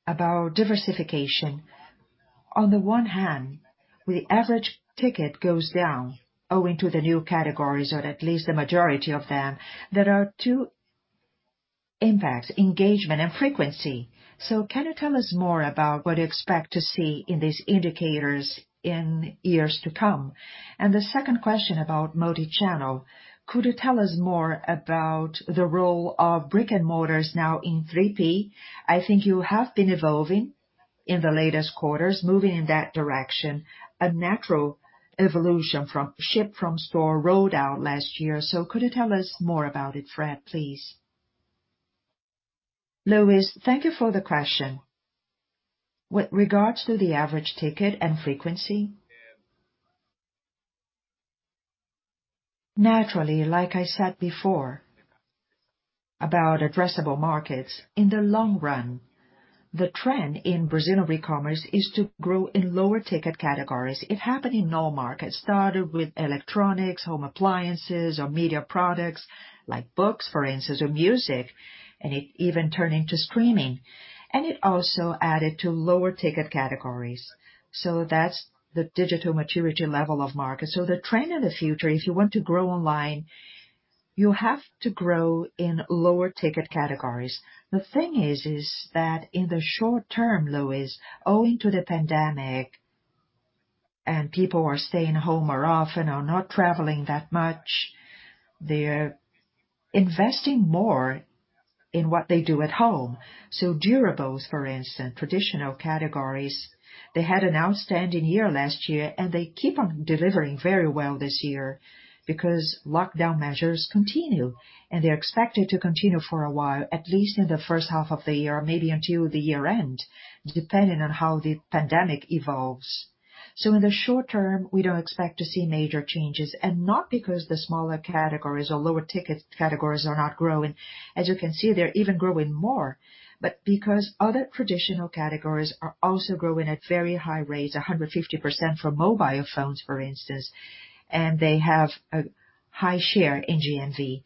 about diversification. On the one hand, the average ticket goes down owing to the new categories or at least the majority of them. There are two impacts, engagement and frequency. can you tell us more about what you expect to see in these indicators in years to come? the second question about multi-channel. Could you tell us more about the role of brick and mortars now in 3P? I think you have been evolving in the latest quarters, moving in that direction. A natural evolution from ship from store rolled out last year. Could you tell us more about it, Fred, please? Luiz, thank you for the question. With regards to the average ticket and frequency. Naturally, like I said before about addressable markets. In the long run, the trend in Brazilian e-commerce is to grow in lower ticket categories. It happened in all markets. It started with electronics, home appliances or media products like books, for instance, or music, and it even turned into streaming. It also added to lower ticket categories. That's the digital maturity level of markets. The trend of the future, if you want to grow online, you have to grow in lower ticket categories. The thing is that in the short term, Luiz, owing to the pandemic and people are staying home more often, are not traveling that much, they're investing more in what they do at home. Durables, for instance, traditional categories. They had an outstanding year last year, and they keep on delivering very well this year because lockdown measures continue and they're expected to continue for a while, at least in the first half of the year, maybe until the year end, depending on how the pandemic evolves. In the short term, we don't expect to see major changes, and not because the smaller categories or lower ticket categories are not growing. As you can see, they're even growing more. Because other traditional categories are also growing at very high rates, 150% for mobile phones, for instance, and they have a high share in GMV.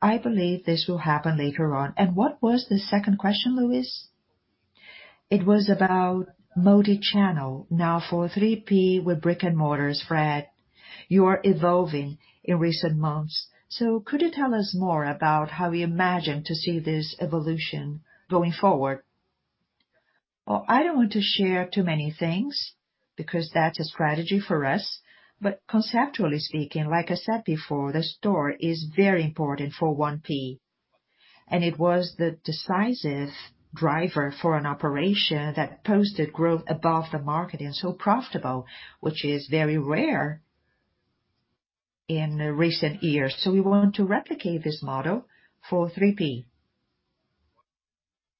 I believe this will happen later on. What was the second question, Luiz? It was about multi-channel now for 3P with brick and mortars, Fred. You are evolving in recent months. Could you tell us more about how you imagine to see this evolution going forward? Well, I don't want to share too many things because that's a strategy for us. Conceptually speaking, like I said before, the store is very important for 1P. It was the decisive driver for an operation that posted growth above the market and so profitable, which is very rare in recent years. We want to replicate this model for 3P.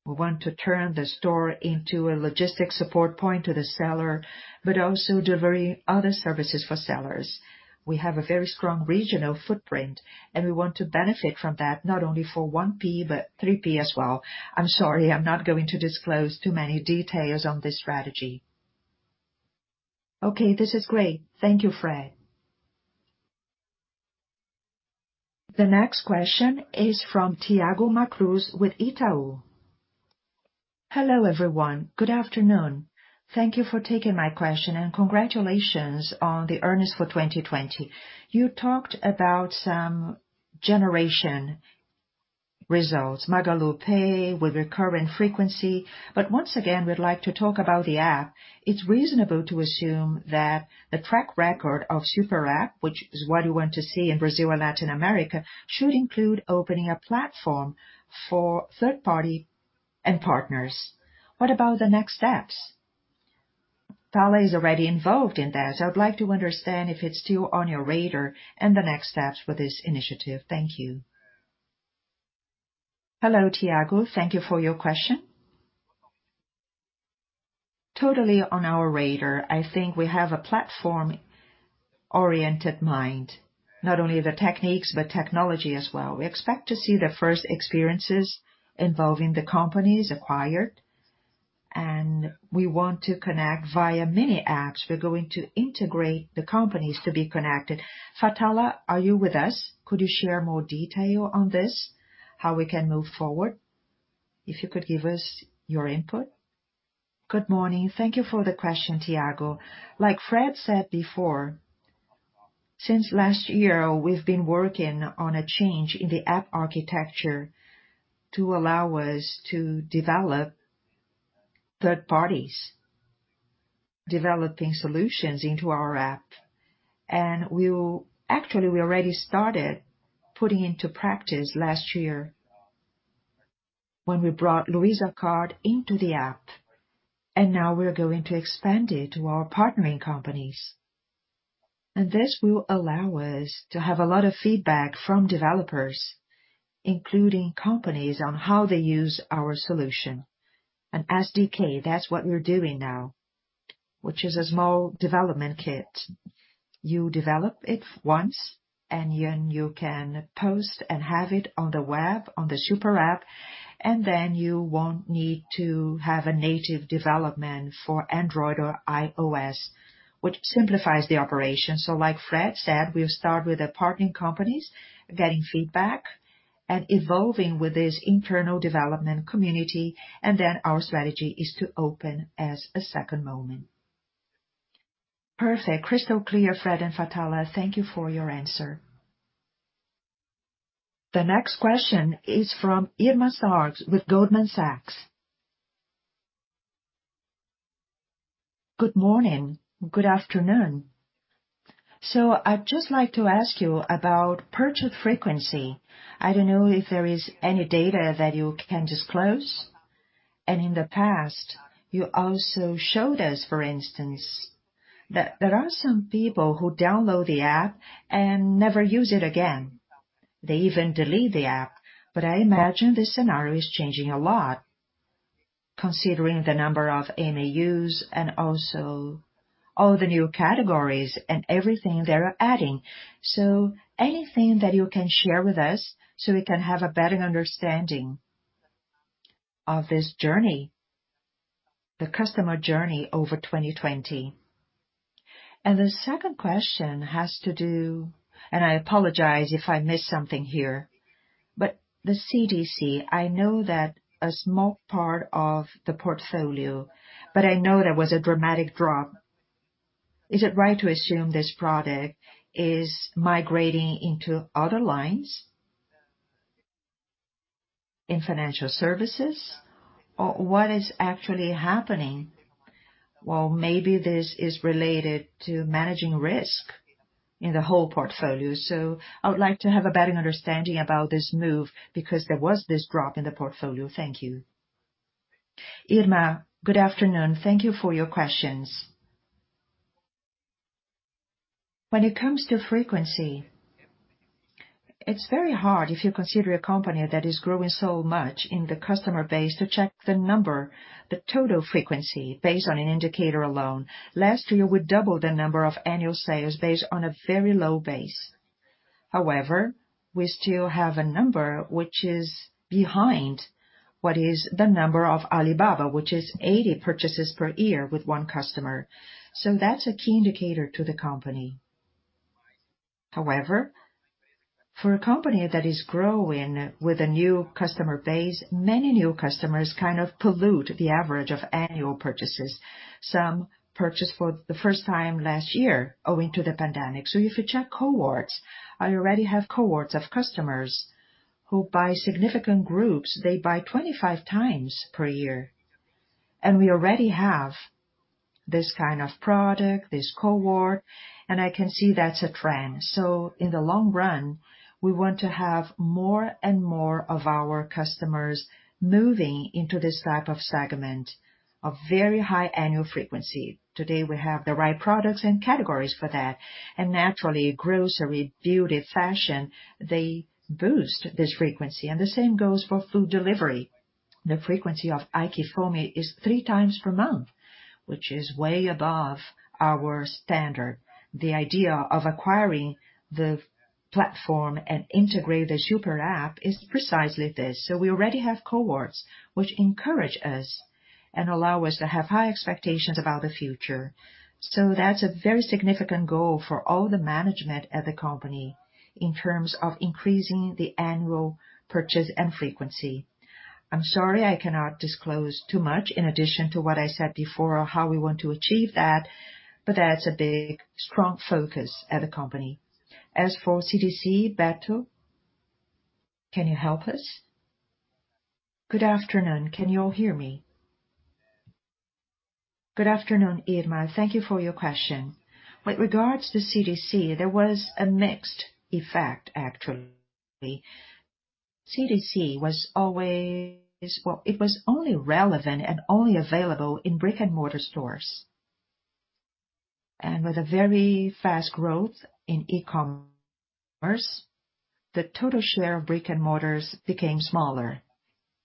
We want to turn the store into a logistics support point to the seller, but also do very other services for sellers. We have a very strong regional footprint and we want to benefit from that not only for 1P but 3P as well. I'm sorry, I'm not going to disclose too many details on this strategy. Okay, this is great. Thank you, Fred. The next question is from Thiago Macruz with Itaú. Hello, everyone. Good afternoon. Thank you for taking my question and congratulations on the earnings for 2020. You talked about some generation results, MagaluPay with recurring frequency. Once again, we'd like to talk about the app. It's reasonable to assume that the track record of SuperApp, which is what you want to see in Brazil and Latin America, should include opening a platform for third party and partners. What about the next steps? Fatala is already involved in that, so I would like to understand if it's still on your radar and the next steps for this initiative. Thank you. Hello, Thiago. Thank you for your question. Totally on our radar. I think we have a platform-oriented mind, not only the fintechs, but technology as well. We expect to see the first experiences involving the companies acquired, and we want to connect via many apps. We're going to integrate the companies to be connected. Fatala, are you with us? Could you share more detail on this? How we can move forward? If you could give us your input. Good morning. Thank you for the question, Thiago. Like Fred said before, since last year, we've been working on a change in the app architecture to allow us to develop third parties, developing solutions into our app. Actually, we already started putting into practice last year when we brought Luiza Card into the app, and now we are going to expand it to our partnering companies. This will allow us to have a lot of feedback from developers, including companies, on how they use our solution. SDK, that's what we're doing now, which is a small development kit. You develop it once and then you can post and have it on the web, on the SuperApp, and then you won't need to have a native development for Android or iOS, which simplifies the operation. Like Fred said, we'll start with the partnering companies, getting feedback and evolving with this internal development community, and then our strategy is to open as a second moment. Perfect. Crystal clear, Fred and Fatala. Thank you for your answer. The next question is from Irma Sgarz with Goldman Sachs. Good morning. Good afternoon. I'd just like to ask you about purchase frequency. I don't know if there is any data that you can disclose. In the past, you also showed us, for instance, that there are some people who download the app and never use it again. They even delete the app. I imagine this scenario is changing a lot considering the number of MAUs and also all the new categories and everything they are adding. Anything that you can share with us so we can have a better understanding of this journey, the customer journey over 2020? The second question. I apologize if I miss something here. The CDC, I know that a small part of the portfolio, but I know there was a dramatic drop. Is it right to assume this product is migrating into other lines in financial services? Or what is actually happening? Well, maybe this is related to managing risk in the whole portfolio. I would like to have a better understanding about this move because there was this drop in the portfolio. Thank you. Irma, good afternoon. Thank you for your questions. When it comes to frequency, it's very hard if you consider a company that is growing so much in the customer base to check the number, the total frequency based on an indicator alone. Last year, we doubled the number of annual sales based on a very low base. However, we still have a number which is behind what is the number of Alibaba, which is 80 purchases per year with one customer. That's a key indicator to the company. For a company that is growing with a new customer base, many new customers kind of pollute the average of annual purchases. Some purchased for the first time last year owing to the pandemic. If you check cohorts, I already have cohorts of customers who buy significant groups. They buy 25 times per year. We already have this kind of product, this cohort, and I can see that's a trend. In the long run, we want to have more and more of our customers moving into this type of segment of very high annual frequency. Today, we have the right products and categories for that, and naturally, grocery, beauty, fashion, they boost this frequency. The same goes for food delivery. The frequency of AiQFome is three times per month, which is way above our standard. The idea of acquiring the platform and integrate the SuperApp is precisely this. We already have cohorts which encourage us and allow us to have high expectations about the future. That's a very significant goal for all the management at the company in terms of increasing the annual purchase and frequency. I'm sorry I cannot disclose too much in addition to what I said before on how we want to achieve that, but that's a big, strong focus at the company. As for CDC, Beto, can you help us? Good afternoon. Can you all hear me? Good afternoon, Irma. Thank you for your question. With regards to CDC, there was a mixed effect, actually. CDC, it was only relevant and only available in brick-and-mortar stores. With a very fast growth in e-commerce, the total share of brick-and-mortars became smaller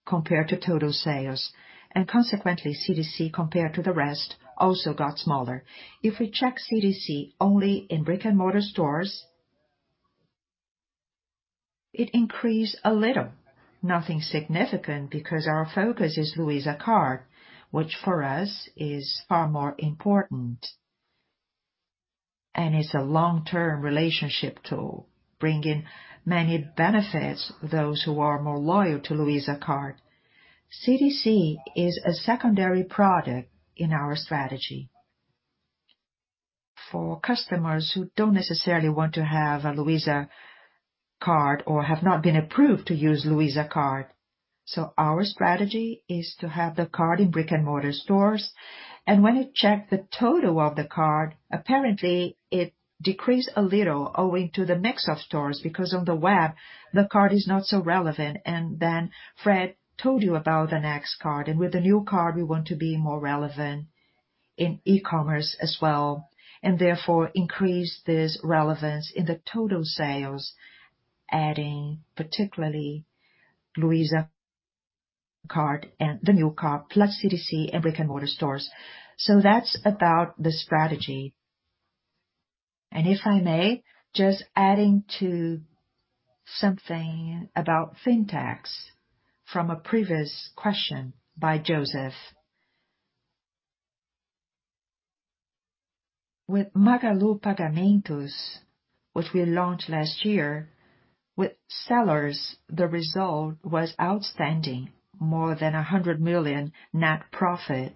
compared to total sales. And consequently, CDC, compared to the rest, also got smaller. If we check CDC only in brick-and-mortar stores, it increased a little. Nothing significant because our focus is Luiza Card, which for us is far more importantAnd it's a long-term relationship tool, bringing many benefits to those who are more loyal to Luiza card. CDC is a secondary product in our strategy for customers who don't necessarily want to have a Luiza card or have not been approved to use Luiza card. So our strategy is to have the card in brick-and-mortar stores. And when you check the total of the card, apparently it decreased a little owing to the mix of stores, because on the web, the card is not so relevant. And then Fred told you about the next card. With the new card, we want to be more relevant in e-commerce as well, therefore increase this relevance in the total sales, adding particularly Luiza Card and the new card, plus CDC and brick-and-mortar stores. That's about the strategy. If I may, just adding to something about fintech from a previous question by Joseph. With Magalu Pagamentos, which we launched last year, with sellers, the result was outstanding. More than 100 million net profit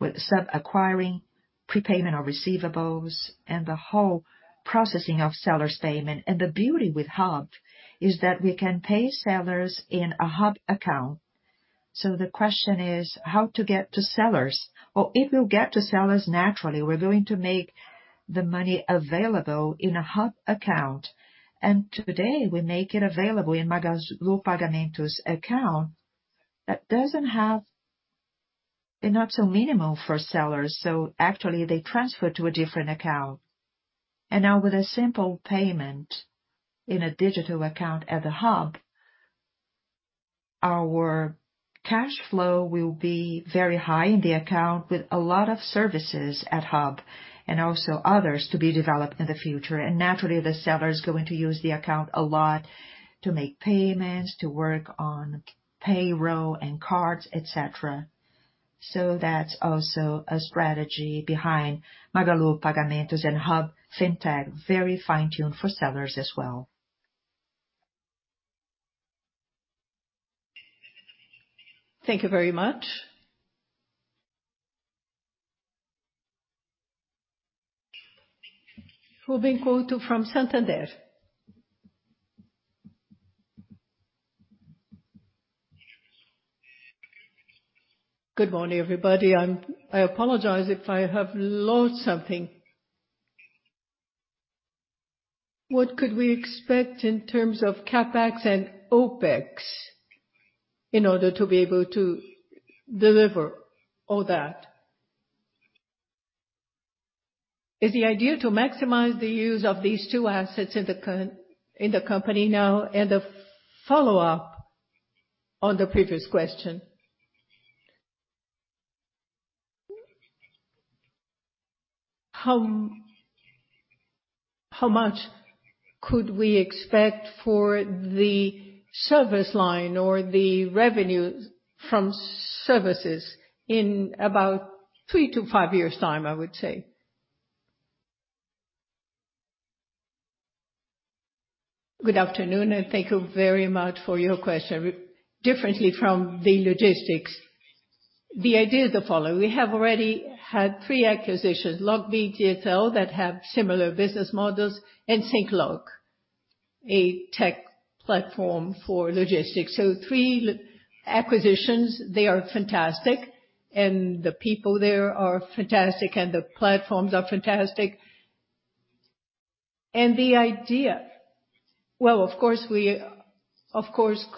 with sub acquiring, prepayment of receivables, and the whole processing of seller statement. The beauty with Hub is that we can pay sellers in a Hub account. The question is how to get to sellers. Well, if you get to sellers, naturally, we're going to make the money available in a Hub account. Today, we make it available in Magalu Pagamentos account that doesn't have a not so minimal for sellers. Actually, they transfer to a different account. Now with a simple payment in a digital account at the Hub, our cash flow will be very high in the account with a lot of services at Hub and also others to be developed in the future. Naturally, the seller is going to use the account a lot to make payments, to work on payroll and cards, et cetera. That's also a strategy behind Magalu Pagamentos and Hub Fintech, very fine-tuned for sellers as well. Thank you very much. Ruben Couto from Santander. Good morning, everybody. I apologize if I have lost something. What could we expect in terms of CapEx and OpEx in order to be able to deliver all that? Is the idea to maximize the use of these two assets in the company now? A follow-up on the previous question. How much could we expect for the service line or the revenue from services in about three to five years' time, I would say? Good afternoon, and thank you very much for your question. Differently from the logistics, the idea is the following. We have already had three acquisitions, Logbee, GFL, that have similar business models, and SincLog, a tech platform for logistics. Three acquisitions. They are fantastic, and the people there are fantastic, and the platforms are fantastic. The idea, well, of course, we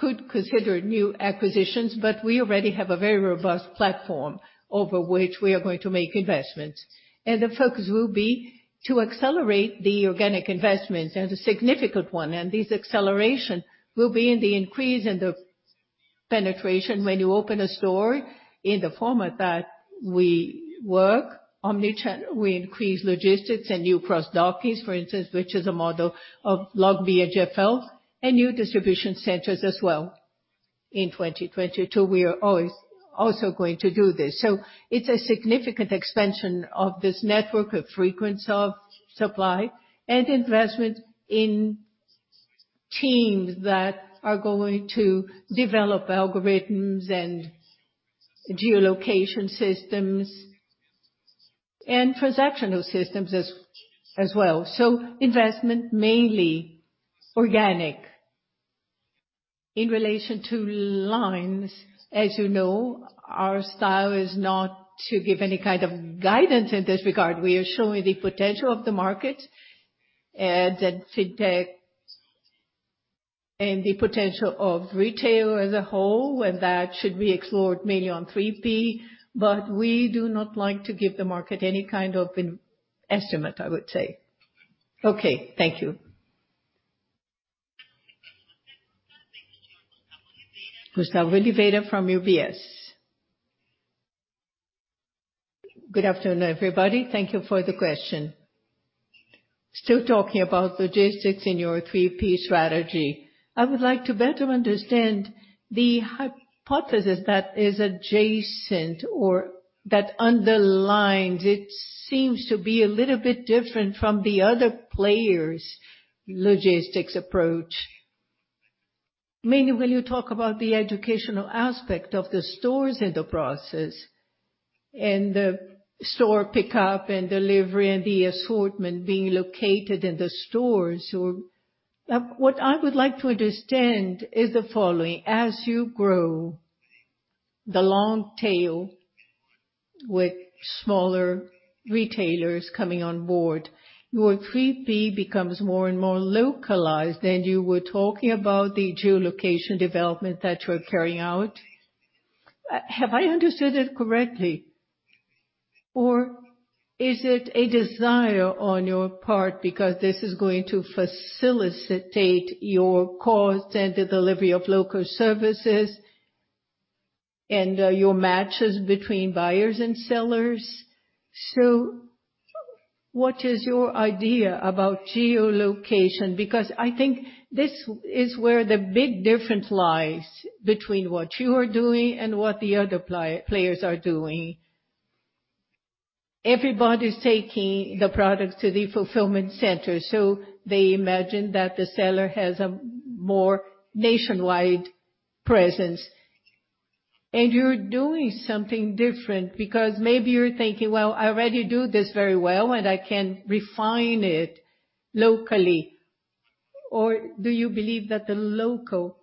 could consider new acquisitions, but we already have a very robust platform over which we are going to make investments. The focus will be to accelerate the organic investments, and a significant one. This acceleration will be in the increase in the penetration when you open a store in the format that we work omnichannel. We increase logistics and new cross-dock, for instance, which is a model of Logbee and GFL, and new distribution centers as well in 2022. We are also going to do this. It's a significant expansion of this network of frequency of supply and investment in teams that are going to develop algorithms and geolocation systems, and transactional systems as well. Investment mainly organic. In relation to lines, as you know, our style is not to give any kind of guidance in this regard. We are showing the potential of the market and the fintech and the potential of retail as a whole, that should be explored mainly on 3P. We do not like to give the market any kind of an estimate, I would say. Okay. Thank you. Gustavo Oliveira from UBS. Good afternoon, everybody. Thank you for the question. Still talking about logistics in your 3P strategy, I would like to better understand the hypothesis that is adjacent or that underlines. It seems to be a little bit different from the other players' logistics approach. Mainly when you talk about the educational aspect of the stores in the process, and the store pickup and delivery, and the assortment being located in the stores. What I would like to understand is the following. As you grow the long tail with smaller retailers coming on board, your 3P becomes more and more localized, and you were talking about the geolocation development that you're carrying out. Have I understood it correctly? Is it a desire on your part because this is going to facilitate your cost and the delivery of local services, and your matches between buyers and sellers? What is your idea about geolocation? I think this is where the big difference lies between what you are doing and what the other players are doing. Everybody's taking the product to the fulfillment center, so they imagine that the seller has a more nationwide presence. You're doing something different because maybe you're thinking, "Well, I already do this very well and I can refine it locally." Do you believe that the local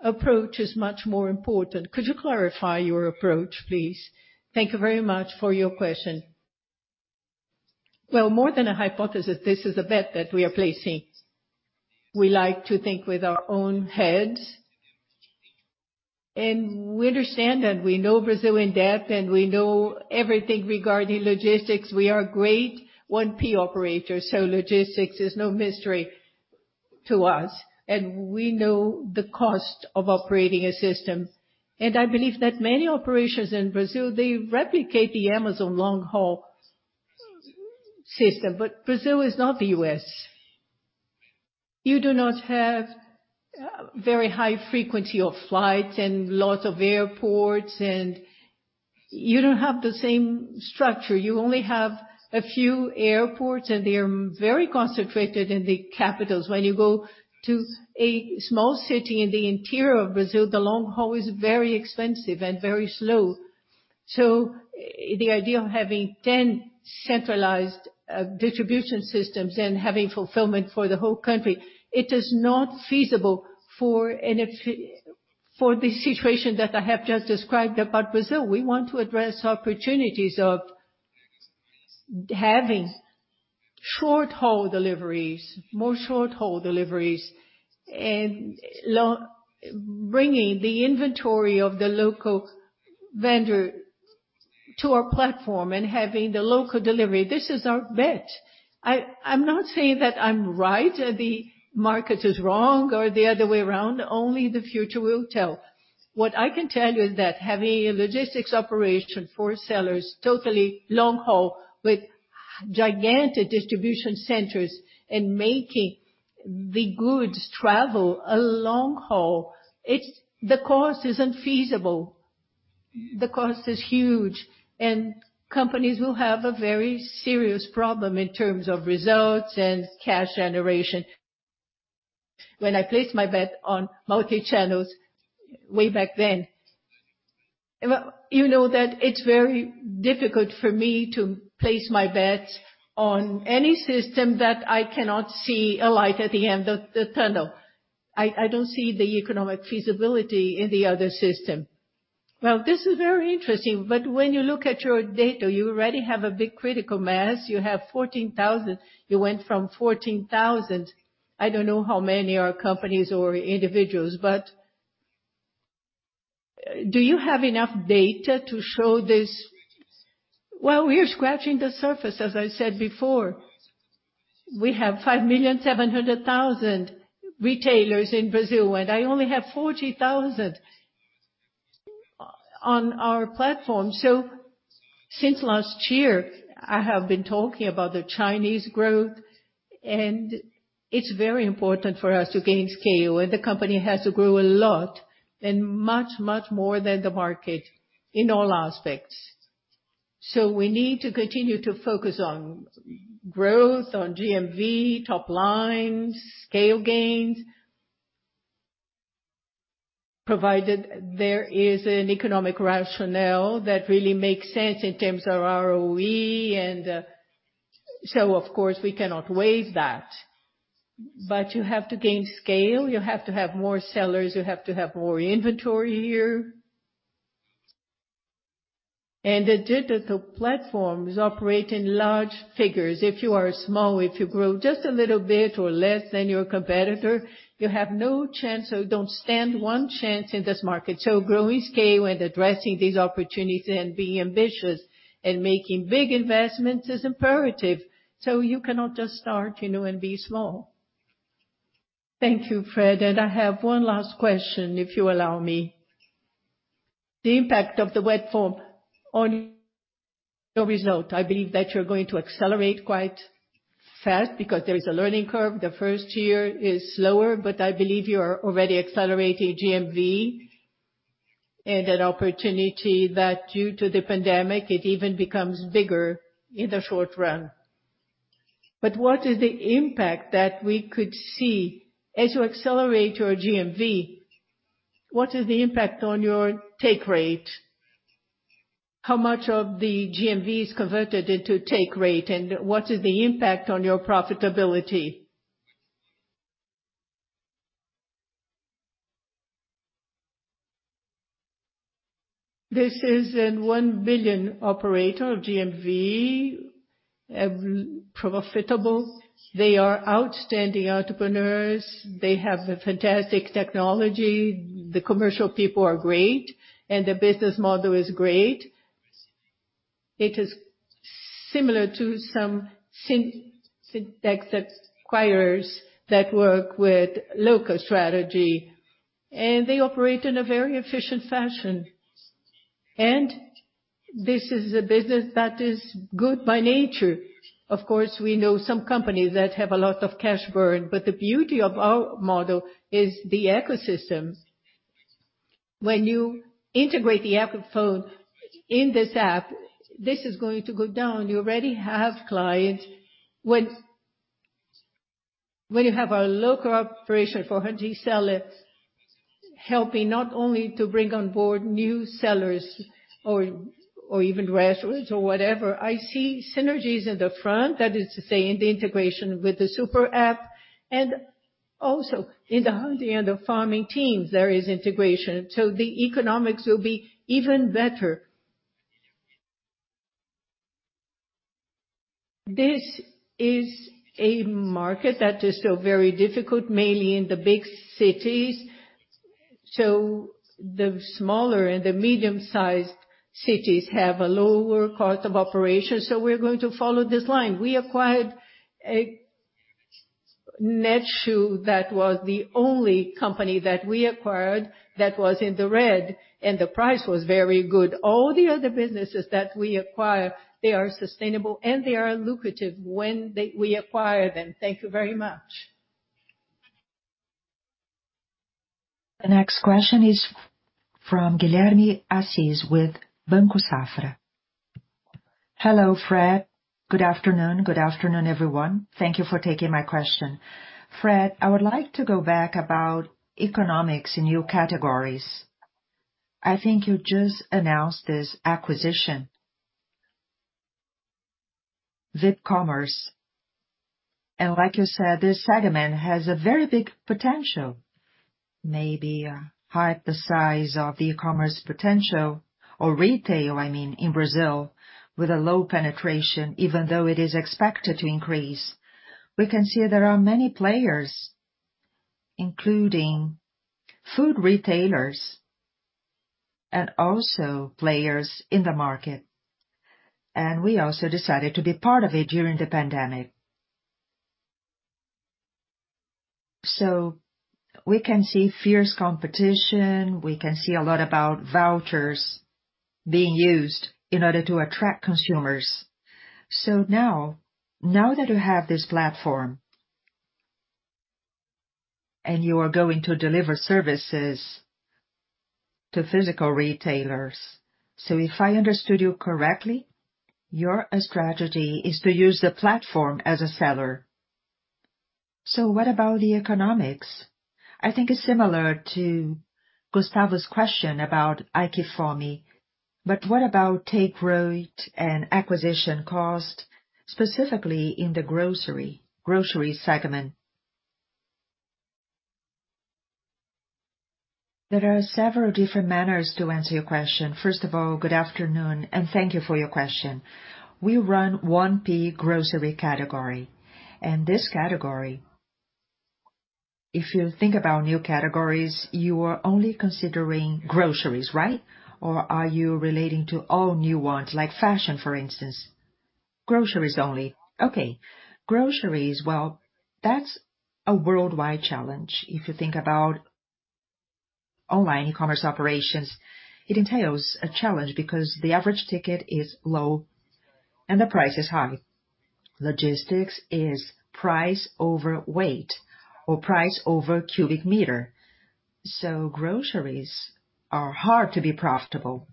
approach is much more important? Could you clarify your approach, please? Thank you very much for your question. Well, more than a hypothesis, this is a bet that we are placing. We like to think with our own heads. We understand and we know Brazil in depth, and we know everything regarding logistics. We are a great 1P operator, so logistics is no mystery to us, and we know the cost of operating a system. I believe that many operations in Brazil, they replicate the Amazon long haul system. Brazil is not the U.S. You do not have very high frequency of flights and lots of airports, and you don't have the same structure. You only have a few airports, and they are very concentrated in the capitals. When you go to a small city in the interior of Brazil, the long haul is very expensive and very slow. The idea of having 10 centralized distribution systems and having fulfillment for the whole country, it is not feasible for the situation that I have just described about Brazil. We want to address opportunities of having short haul deliveries, more short haul deliveries, and bringing the inventory of the local vendor to our platform and having the local delivery. This is our bet. I'm not saying that I'm right and the market is wrong, or the other way around. Only the future will tell. What I can tell you is that having a logistics operation for sellers totally long haul with gigantic distribution centers and making the goods travel a long haul, the cost isn't feasible. The cost is huge, and companies will have a very serious problem in terms of results and cash generation. When I placed my bet on multi-channels way back then, you know that it's very difficult for me to place my bet on any system that I cannot see a light at the end of the tunnel. I don't see the economic feasibility in the other system. Well, this is very interesting. When you look at your data, you already have a big critical mass. You have 14,000. You went from 14,000. I don't know how many are companies or individuals, but do you have enough data to show this? Well, we are scratching the surface, as I said before. We have 5.7 million Retailers in Brazil, and I only have 40,000 on our platform. Since last year, I have been talking about the Chinese growth, and it's very important for us to gain scale. The company has to grow a lot and much, much more than the market in all aspects. We need to continue to focus on growth, on GMV, top lines, scale gains, provided there is an economic rationale that really makes sense in terms of ROE and of course, we cannot waive that. You have to gain scale. You have to have more sellers. You have to have more inventory here. The digital platforms operate in large figures. If you are small, if you grow just a little bit or less than your competitor, you have no chance, so don't stand one chance in this market. Growing scale and addressing these opportunities and being ambitious and making big investments is imperative. You cannot just start and be small. Thank you, Fred. I have one last question, if you allow me. The impact of the wet form on your result, I believe that you're going to accelerate quite fast because there is a learning curve. The first year is slower, but I believe you are already accelerating GMV and an opportunity that due to the pandemic, it even becomes bigger in the short run. What is the impact that we could see as you accelerate your GMV? What is the impact on your take rate? How much of the GMV is converted into take rate, and what is the impact on your profitability? This is a 1 billion operator of GMV, profitable. They are outstanding entrepreneurs. They have a fantastic technology. The commercial people are great, and the business model is great. It is similar to some fintechs acquirers that work with local strategy, they operate in a very efficient fashion. This is a business that is good by nature. Of course, we know some companies that have a lot of cash burn, but the beauty of our model is the ecosystems. When you integrate the AiQFome in this app, this is going to go down. You already have clients. When you have a local operation for her to sell it, helping not only to bring on board new sellers or even grassroots or whatever. I see synergies in the front, that is to say, in the integration with the SuperApp, and also in the hunting and the farming teams, there is integration. The economics will be even better. This is a market that is still very difficult, mainly in the big cities. The smaller and the medium-sized cities have a lower cost of operation, so we're going to follow this line. We acquired Netshoes, that was the only company that we acquired that was in the red, and the price was very good. All the other businesses that we acquire, they are sustainable, and they are lucrative when we acquire them. Thank you very much. The next question is from Guilherme Assis with Banco Safra. Hello, Fred. Good afternoon. Good afternoon, everyone. Thank you for taking my question. Fred, I would like to go back about economics in new categories. I think you just announced this acquisition, VipCommerce. Like you said, this segment has a very big potential, maybe half the size of the commerce potential or retail, I mean, in Brazil with a low penetration, even though it is expected to increase. We can see there are many players, including food retailers and also players in the market. We also decided to be part of it during the pandemic. We can see fierce competition. We can see a lot about vouchers being used in order to attract consumers. Now that you have this platform and you are going to deliver services to physical retailers. If I understood you correctly, your strategy is to use the platform as a seller. What about the economics? I think it's similar to Gustavo's question about AiQFome, what about take rate and acquisition cost, specifically in the grocery segment? There are several different manners to answer your question. First of all, good afternoon, and thank you for your question. We run 1P grocery category. This category, if you think about new categories, you are only considering groceries, right? Or are you relating to all new ones like fashion, for instance? Groceries only. Okay. Groceries, well, that's a worldwide challenge. If you think about online e-commerce operations, it entails a challenge because the average ticket is low and the price is high. Logistics is price over weight or price over cubic meter. Groceries are hard to be profitable.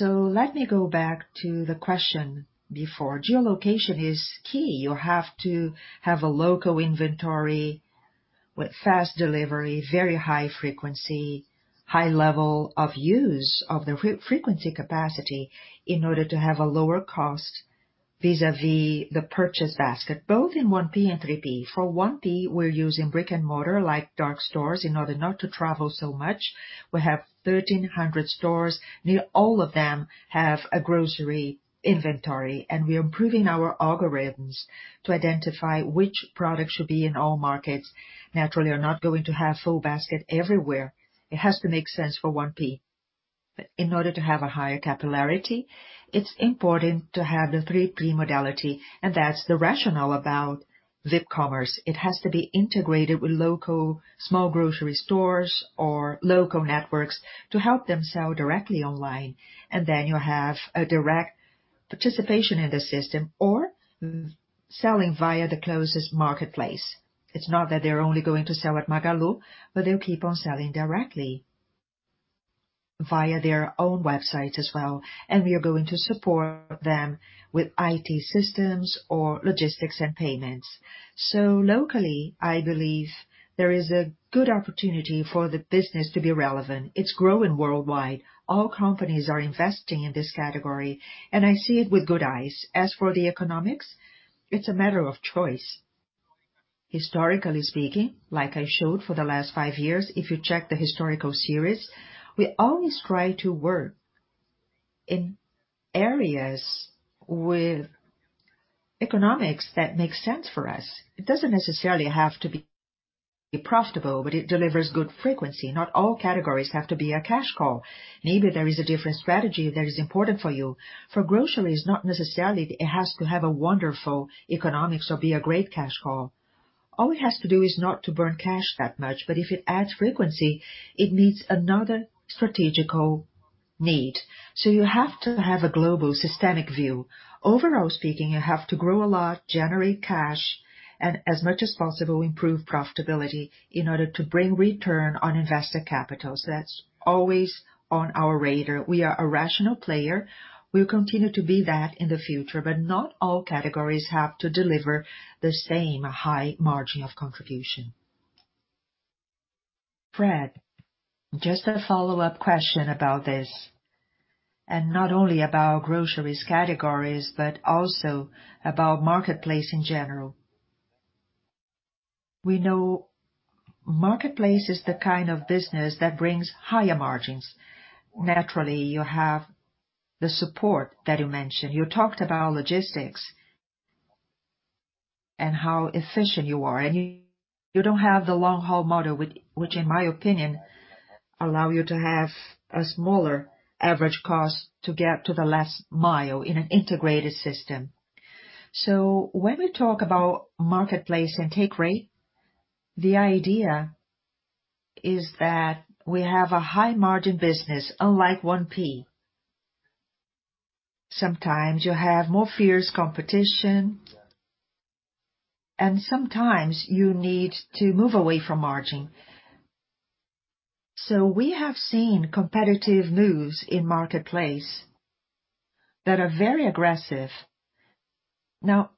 Let me go back to the question before. Geolocation is key. You have to have a local inventory with fast delivery, very high frequency, high level of use of the frequency capacity in order to have a lower cost vis-à-vis the purchase basket, both in 1P and 3P. For 1P, we're using brick and mortar like dark stores in order not to travel so much. We have 1,300 stores. Near all of them have a grocery inventory, we are improving our algorithms to identify which product should be in all markets. Naturally, we're not going to have full basket everywhere. It has to make sense for 1P. In order to have a higher capillarity, it's important to have the 3P modality, and that's the rationale about VipCommerce. It has to be integrated with local small grocery stores or local networks to help them sell directly online. You have a direct Participation in the system or selling via the closest marketplace. It's not that they're only going to sell at Magalu, but they'll keep on selling directly via their own websites as well, and we are going to support them with IT systems or logistics and payments. Locally, I believe there is a good opportunity for the business to be relevant. It's growing worldwide. All companies are investing in this category, and I see it with good eyes. As for the economics, it's a matter of choice. Historically speaking, like I showed for the last five years, if you check the historical series, we always try to work in areas with economics that make sense for us. It doesn't necessarily have to be profitable, but it delivers good frequency. Not all categories have to be a cash cow. Maybe there is a different strategy that is important for you. For groceries, not necessarily it has to have a wonderful economics or be a great cash cow. All it has to do is not to burn cash that much. If it adds frequency, it meets another strategical need. You have to have a global systemic view. Overall speaking, you have to grow a lot, generate cash, and as much as possible, improve profitability in order to bring return on invested capital. That's always on our radar. We are a rational player. We'll continue to be that in the future, but not all categories have to deliver the same high margin of contribution. Fred, just a follow-up question about this and not only about groceries categories, but also about marketplace in general. We know marketplace is the kind of business that brings higher margins. Naturally, you have the support that you mentioned. You talked about logistics and how efficient you are. You don't have the long-haul model, which in my opinion, allow you to have a smaller average cost to get to the last mile in an integrated system. When we talk about marketplace and take rate, the idea is that we have a high margin business, unlike 1P. Sometimes you have more fierce competition, and sometimes you need to move away from margin. We have seen competitive moves in marketplace that are very aggressive. Now,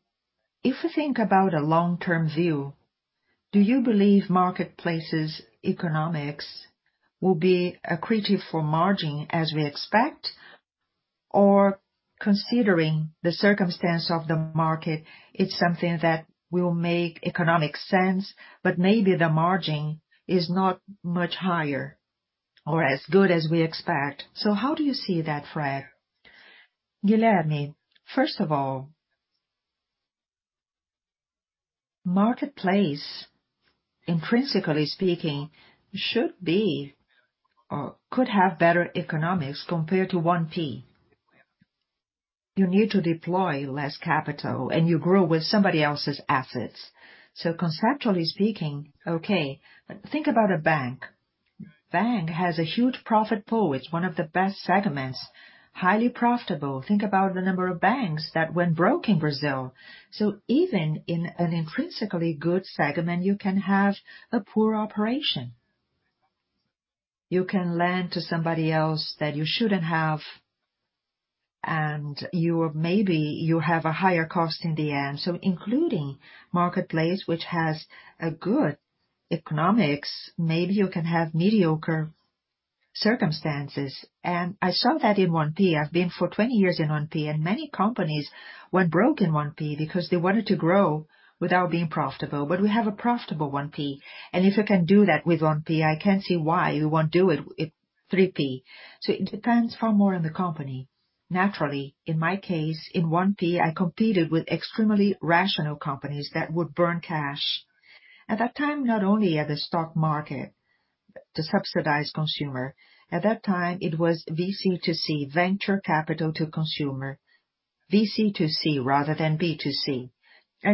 if you think about a long-term view, do you believe marketplace's economics will be accretive for margin as we expect? Considering the circumstance of the market, it's something that will make economic sense, but maybe the margin is not much higher or as good as we expect. How do you see that, Fred? Guilherme, first of all, marketplace, intrinsically speaking, should be or could have better economics compared to 1P. You need to deploy less capital, and you grow with somebody else's assets. Conceptually speaking, okay, think about a bank. Bank has a huge profit pool. It's one of the best segments, highly profitable. Think about the number of banks that went broke in Brazil. Even in an intrinsically good segment, you can have a poor operation. You can lend to somebody else that you shouldn't have, and maybe you have a higher cost in the end. Including marketplace, which has a good economics, maybe you can have mediocre circumstances. I saw that in 1P. I've been for 20 years in 1P, and many companies went broke in 1P because they wanted to grow without being profitable. We have a profitable 1P. If we can do that with 1P, I can't see why we won't do it with 3P. It depends far more on the company. Naturally, in my case, in 1P, I competed with extremely rational companies that would burn cash. At that time, not only at the stok market to subsidize consumer. At that time, it was VC2C, venture capital to consumer. VC2C rather than B2C.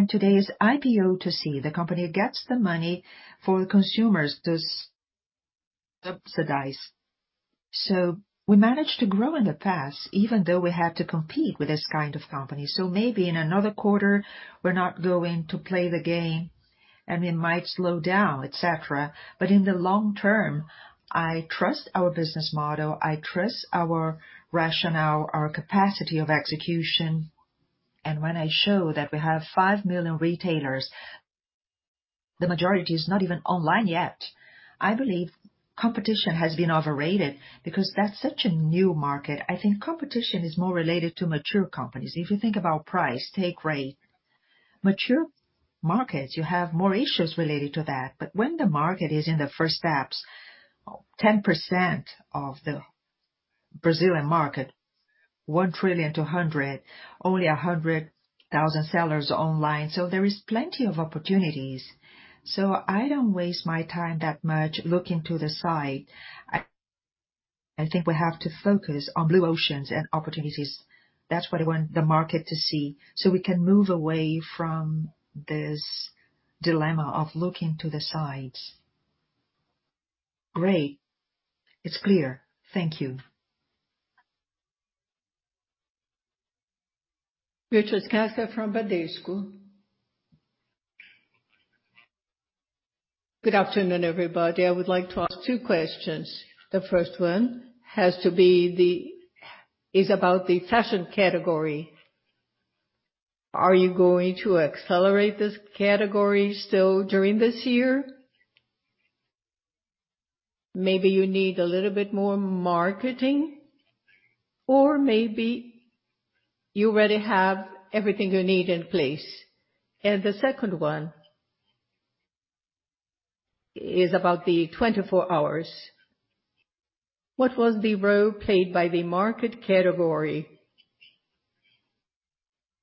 Today's IPO2C. The company gets the money for the consumers to subsidize. We managed to grow in the past, even though we had to compete with this kind of company. Maybe in another quarter, we're not going to play the game, and we might slow down, et cetera. In the long term, I trust our business model. I trust our rationale, our capacity of execution. When I show that we have 5 million retailers, the majority is not even online yet. I believe competition has been overrated because that's such a new market. I think competition is more related to mature companies. If you think about price, take rate. Mature markets, you have more issues related to that. When the market is in the first steps, 10% of the Brazilian market, 1 trillion to 100, only 100,000 sellers are online. There is plenty of opportunities. I don't waste my time that much looking to the side. I think we have to focus on blue oceans and opportunities. That's what I want the market to see. We can move away from this dilemma of looking to the sides. Great. It's clear. Thank you. Richard Cathcart from Bradesco. Good afternoon, everybody. I would like to ask two questions. The first one is about the fashion category. Are you going to accelerate this category still during this year? Maybe you need a little bit more marketing, or maybe you already have everything you need in place. The second one is about the 24 hours. What was the role played by the market category?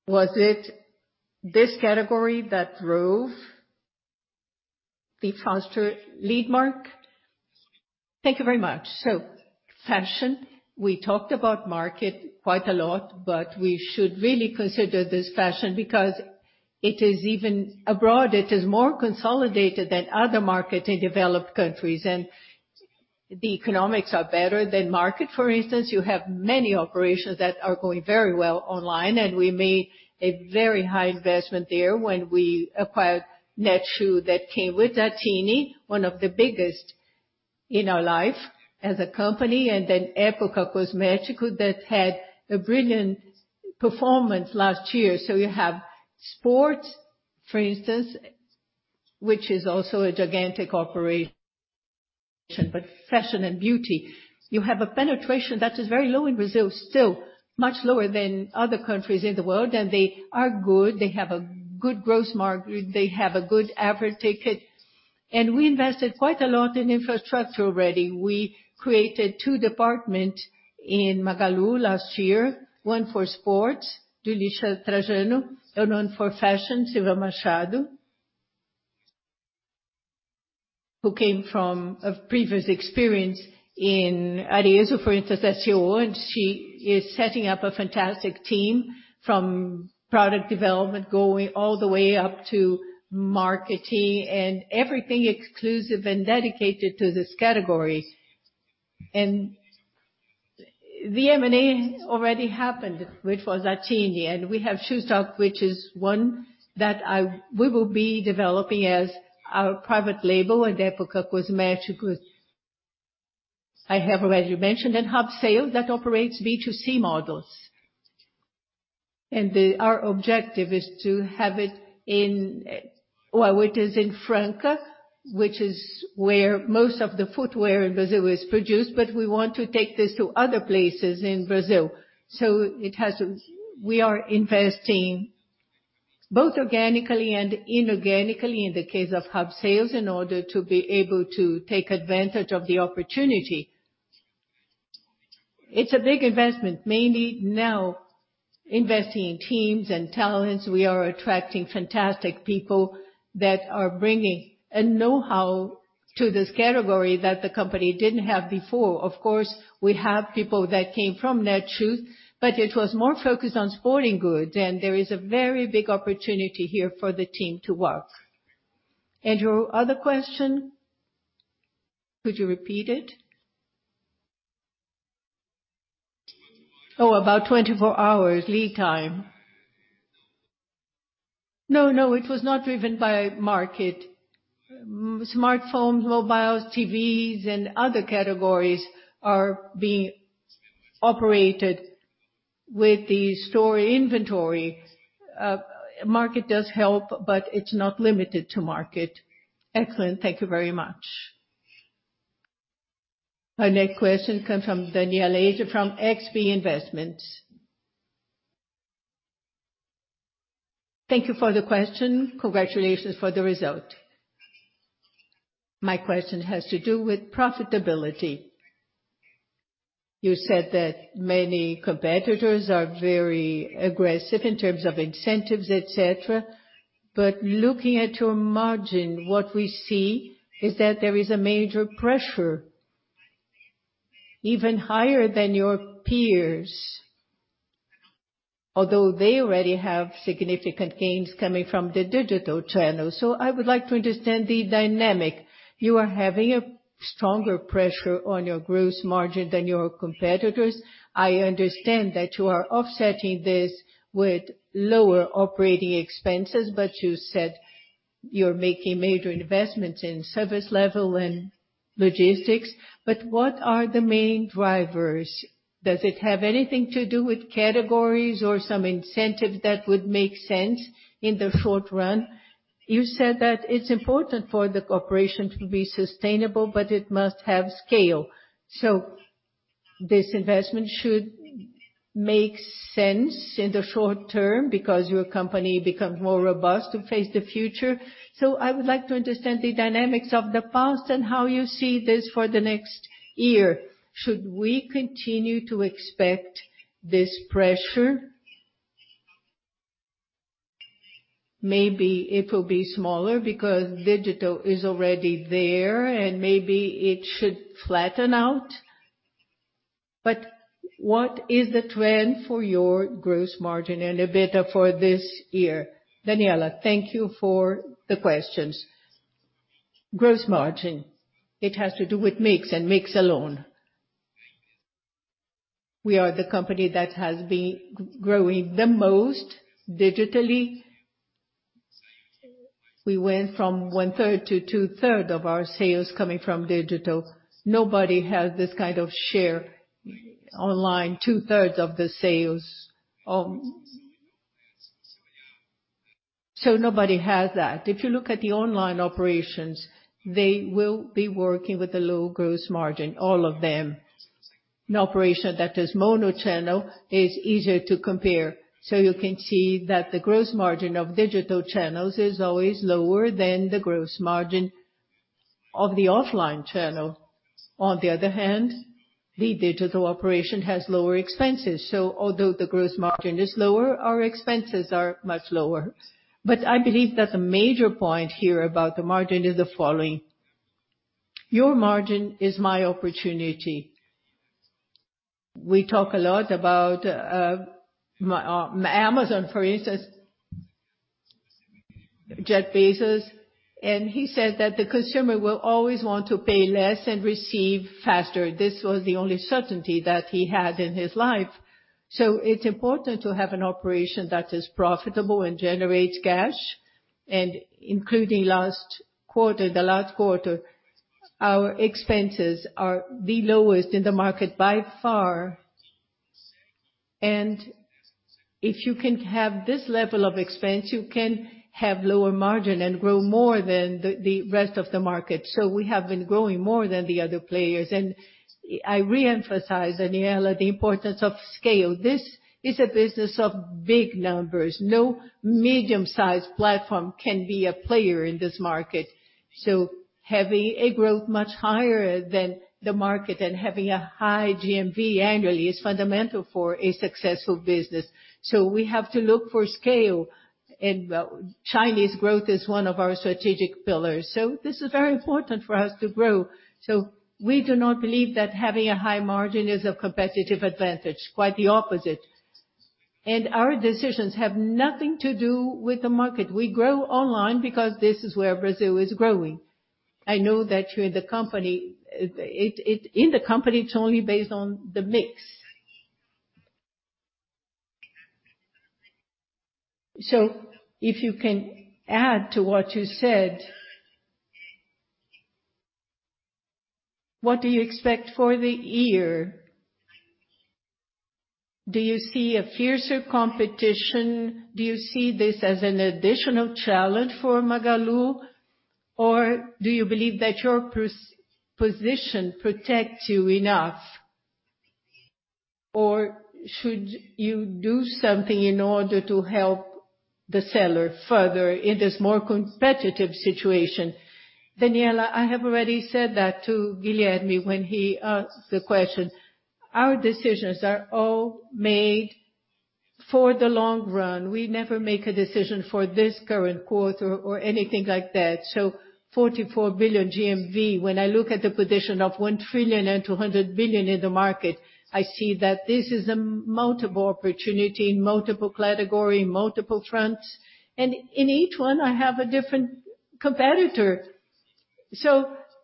Was it this category that drove the faster lead mark? Thank you very much. Fashion, we talked about market quite a lot, but we should really consider this fashion because it is even abroad, it is more consolidated than other market in developed countries, and the economics are better than market. For instance, you have many operations that are going very well online. We made a very high investment there when we acquired Netshoes that came with Zattini, one of the biggest in our life as a company, and then Época Cosméticos that had a brilliant performance last year. You have sport, for instance, which is also a gigantic operation. Fashion and beauty, you have a penetration that is very low in Brazil, still much lower than other countries in the world, and they are good. They have a good gross mark. They have a good average ticket. We invested quite a lot in infrastructure already. We created two department in Magalu last year, one for sports, Julio Trajano, and one for fashion, Silvia Machado, who came from a previous experience in Arezzo, for instance, as CEO. She is setting up a fantastic team from product development, going all the way up to marketing and everything exclusive and dedicated to these categories. The M&A already happened, which was Zattini. We have Shoestock, which is one that we will be developing as our private label and Época Cosméticos I have already mentioned, and Hubsales that operates B2C models. Our objective is to have it in, while it is in Franca, which is where most of the footwear in Brazil is produced, but we want to take this to other places in Brazil. We are investing both organically and inorganically in the case of Hubsales, in order to be able to take advantage of the opportunity. It's a big investment, mainly now investing in teams and talents. We are attracting fantastic people that are bringing a know-how to this category that the company didn't have before. Of course, we have people that came from Netshoes, but it was more focused on sporting goods, and there is a very big opportunity here for the team to work. Your other question, could you repeat it? About 24 hours lead time. No, it was not driven by market. Smartphones, mobiles, TVs, and other categories are being operated with the store inventory. Market does help, but it's not limited to market. Excellent. Thank you very much. Our next question comes from Daniela Eiger from XP Investimentos. Thank you for the question. Congratulations for the result. My question has to do with profitability. You said that many competitors are very aggressive in terms of incentives, et cetera. Looking at your margin, what we see is that there is a major pressure even higher than your peers, although they already have significant gains coming from the digital channel. I would like to understand the dynamic. You are having a stronger pressure on your gross margin than your competitors. I understand that you are offsetting this with lower operating expenses, but you said you're making major investments in service level and logistics. What are the main drivers? Does it have anything to do with categories or some incentive that would make sense in the short run? You said that it's important for the corporation to be sustainable, but it must have scale. This investment should make sense in the short term because your company becomes more robust to face the future. I would like to understand the dynamics of the past and how you see this for the next year. Should we continue to expect this pressure? Maybe it will be smaller because digital is already there, and maybe it should flatten out? What is the trend for your gross margin and EBITDA for this year? Daniela, thank you for the questions. Gross margin, it has to do with mix and mix alone. We are the company that has been growing the most digitally. We went from 1/3 to 2/3 of our sales coming from digital. Nobody has this kind of share online, 2/3 of the sales. Nobody has that. If you look at the online operations, they will be working with a low gross margin, all of them. An operation that is mono channel is easier to compare. You can see that the gross margin of digital channels is always lower than the gross margin of the offline channel. The digital operation has lower expenses. Although the gross margin is lower, our expenses are much lower. I believe that the major point here about the margin is the following. Your margin is my opportunity. We talk a lot about Amazon, for instance, Jeff Bezos. He said that the consumer will always want to pay less and receive faster. This was the only certainty that he had in his life. It's important to have an operation that is profitable and generates cash. Including last quarter, our expenses are the lowest in the market by far. If you can have this level of expense, you can have lower margin and grow more than the rest of the market. We have been growing more than the other players. I re-emphasize, Daniela, the importance of scale. This is a business of big numbers. No medium-sized platform can be a player in this market. Having a growth much higher than the market and having a high GMV annually is fundamental for a successful business. We have to look for scale and Chinese growth is one of our strategic pillars. This is very important for us to grow. We do not believe that having a high margin is a competitive advantage, quite the opposite. Our decisions have nothing to do with the market. We grow online because this is where Brazil is growing. I know that you're in the company, it's only based on the mix. If you can add to what you said, what do you expect for the year? Do you see a fiercer competition? Do you see this as an additional challenge for Magalu? Do you believe that your position protects you enough? Should you do something in order to help the seller further in this more competitive situation? Daniela, I have already said that to Guilherme when he asked the question. Our decisions are all made for the long run. We never make a decision for this current quarter or anything like that. 44 billion GMV. When I look at the position of 1,200 billion in the market, I see that this is a multiple opportunity, multiple category, multiple fronts. In each one, I have a different competitor.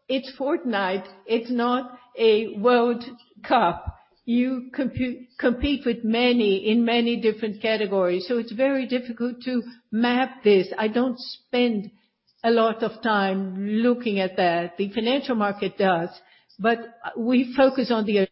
It's Fortnite, it's not a World Cup. You compete with many in many different categories. It's very difficult to map this. I don't spend a lot of time looking at that. The financial market does. We focus on the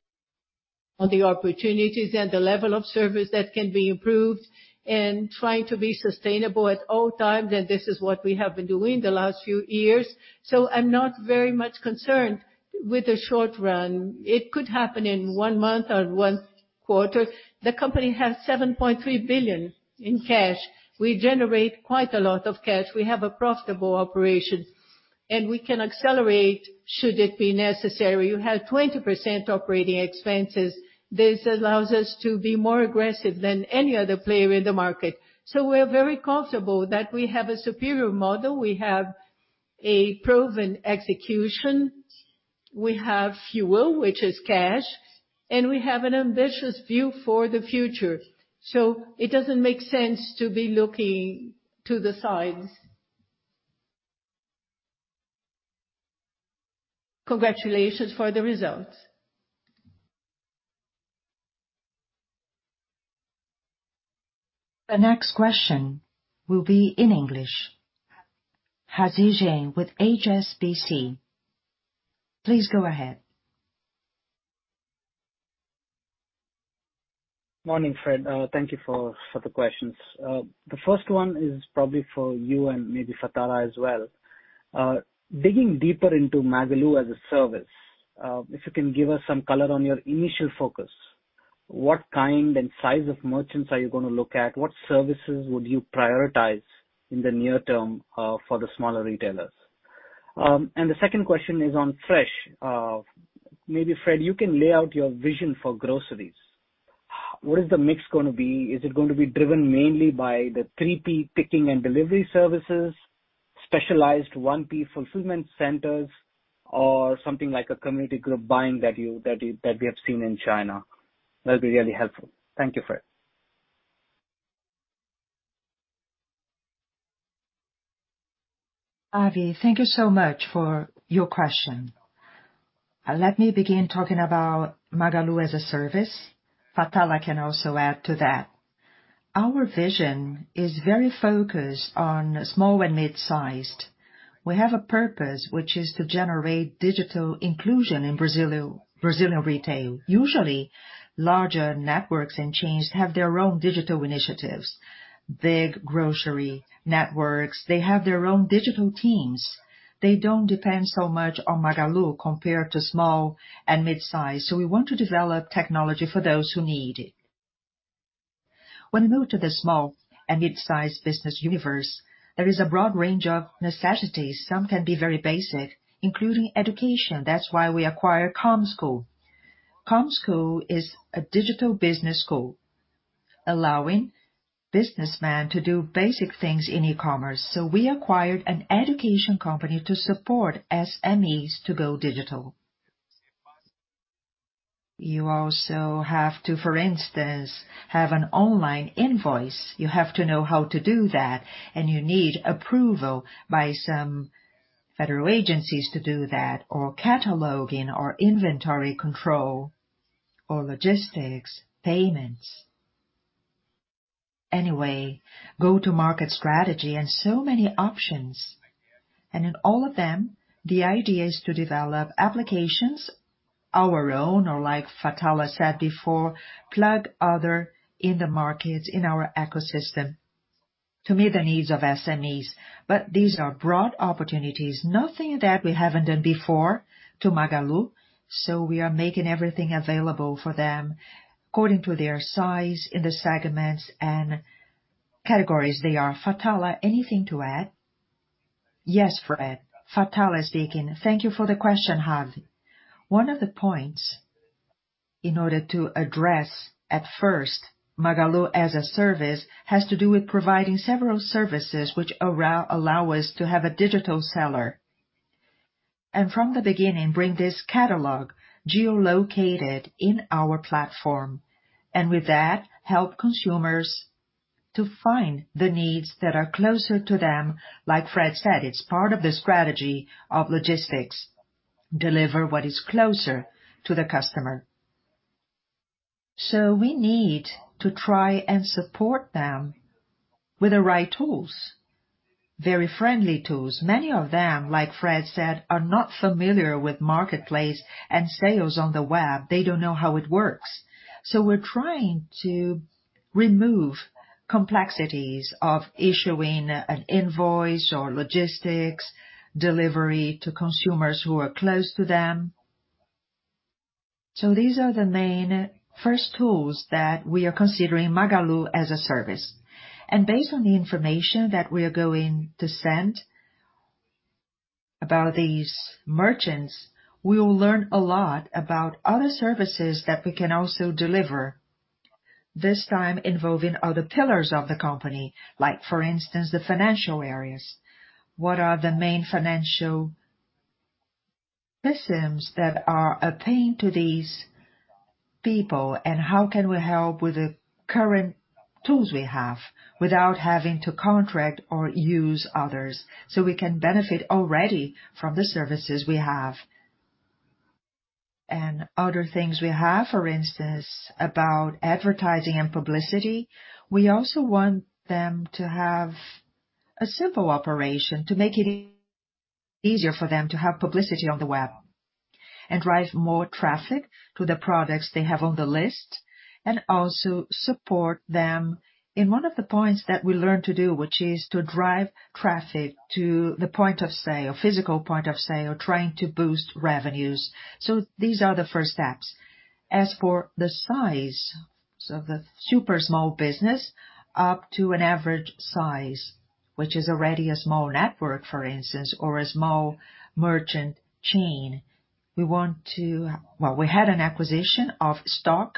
opportunities and the level of service that can be improved and trying to be sustainable at all times, and this is what we have been doing the last few years. I'm not very much concerned with the short run. It could happen in one month or one quarter. The company has 7.3 billion in cash. We generate quite a lot of cash. We have a profitable operation, and we can accelerate should it be necessary. You have 20% operating expenses. This allows us to be more aggressive than any other player in the market. We're very comfortable that we have a superior model. We have a proven execution. We have fuel, which is cash, and we have an ambitious view for the future. It doesn't make sense to be looking to the sides. Congratulations for the results. The next question will be in English. Ravi Jain with HSBC. Please go ahead. Morning, Fred. Thank you for the questions. The first one is probably for you and maybe Fatala as well. Digging deeper into Magalu as a service, if you can give us some color on your initial focus. What kind and size of merchants are you going to look at? What services would you prioritize in the near term for the smaller retailers? The second question is on fresh. Maybe Fred, you can lay out your vision for groceries. What is the mix going to be? Is it going to be driven mainly by the 3P picking and delivery services, specialized 1P fulfillment centers, or something like a community group buying that we have seen in China? That'd be really helpful. Thank you, Fred. Ravi, thank you so much for your question. Let me begin talking about Magalu as a Service. Fatala can also add to that. Our vision is very focused on small and mid-sized. We have a purpose, which is to generate digital inclusion in Brazilian retail. Usually, larger networks and chains have their own digital initiatives. Big grocery networks, they have their own digital teams. They don't depend so much on Magalu compared to small and mid-size. We want to develop technology for those who need it. When you move to the small and mid-size business universe, there is a broad range of necessities. Some can be very basic, including education. That's why we acquire ComSchool. ComSchool is a digital business school allowing businessman to do basic things in e-commerce. We acquired an education company to support SMEs to go digital. You also have to, for instance, have an online invoice. You have to know how to do that, and you need approval by some federal agencies to do that, or cataloging, or inventory control, or logistics, payments. Anyway, go-to-market strategy and so many options. In all of them, the idea is to develop applications, our own, or like Fatala said before, plug other in the market, in our ecosystem to meet the needs of SMEs. These are broad opportunities. Nothing that we haven't done before to Magalu. We are making everything available for them according to their size in the segments and categories they are. Fatala, anything to add? Yes, Fred. Fatala speaking. Thank you for the question, Ravi. One of the points in order to address at first, Magalu as a Service, has to do with providing several services which allow us to have a digital seller. From the beginning, bring this catalog geo-located in our platform, and with that, help consumers to find the needs that are closer to them. Like Fred said, it's part of the strategy of logistics. Deliver what is closer to the customer. We need to try and support them with the right tools. Very friendly tools. Many of them, like Fred said, are not familiar with marketplace and sales on the web. They don't know how it works. We're trying to remove complexities of issuing an invoice or logistics, delivery to consumers who are close to them. These are the main first tools that we are considering Magalu as a Service. Based on the information that we are going to send about these merchants, we will learn a lot about other services that we can also deliver, this time involving other pillars of the company. For instance, the financial areas. What are the main financial systems that are attained to these people, and how can we help with the current tools we have without having to contract or use others? We can benefit already from the services we have. Other things we have, for instance, about advertising and publicity. We also want them to have a simple operation to make it easier for them to have publicity on the web and drive more traffic to the products they have on the list, and also support them in one of the points that we learned to do, which is to drive traffic to the point of sale, physical point of sale, trying to boost revenues. These are the first steps. As for the size of the super small business up to an average size, which is already a small network, for instance, or a small merchant chain. We had an acquisition of Stoq,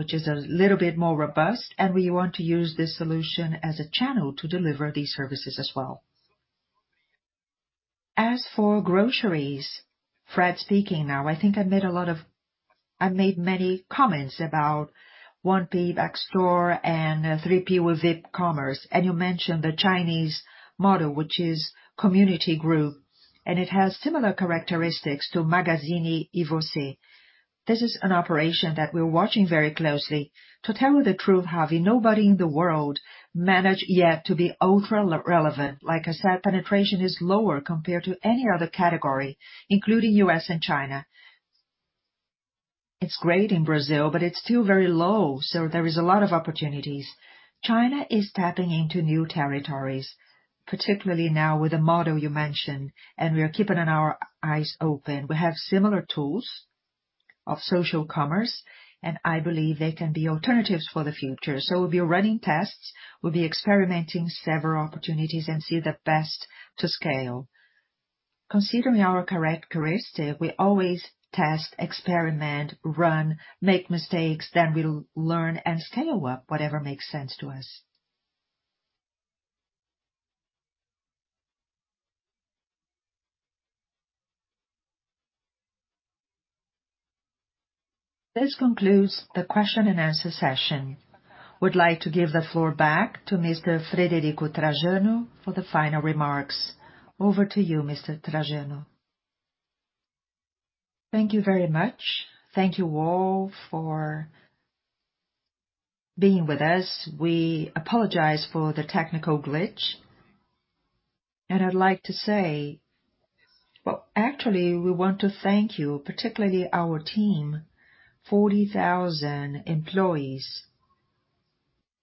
which is a little bit more robust, and we want to use this solution as a channel to deliver these services as well. As for groceries, Fred speaking now. I think I've made many comments about 1P backstore and 3P with VipCommerce, and you mentioned the Chinese model, which is community group, and it has similar characteristics to Magazine Você. This is an operation that we're watching very closely. To tell you the truth, Ravi, nobody in the world managed yet to be ultra relevant. Like I said, penetration is lower compared to any other category, including U.S. and China. It's great in Brazil, but it's still very low, so there is a lot of opportunities. China is tapping into new territories, particularly now with the model you mentioned, and we are keeping our eyes open. We have similar tools of social commerce, and I believe they can be alternatives for the future. We'll be running tests, we'll be experimenting several opportunities and see the best to scale. Considering our characteristic, we always test, experiment, run, make mistakes, then we'll learn and scale up whatever makes sense to us. This concludes the question and answer session. Would like to give the floor back to Mr. Frederico Trajano for the final remarks. Over to you, Mr. Trajano. Thank you very much. Thank you all for being with us. We apologize for the technical glitch. Well, actually, we want to thank you, particularly our team, 40,000 employees,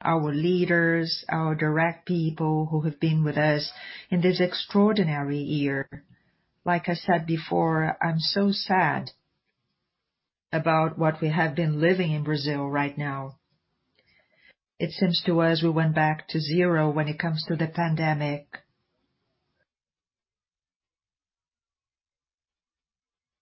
our leaders, our direct people who have been with us in this extraordinary year. Like I said before, I'm so sad about what we have been living in Brazil right now. It seems to us we went back to zero when it comes to the pandemic.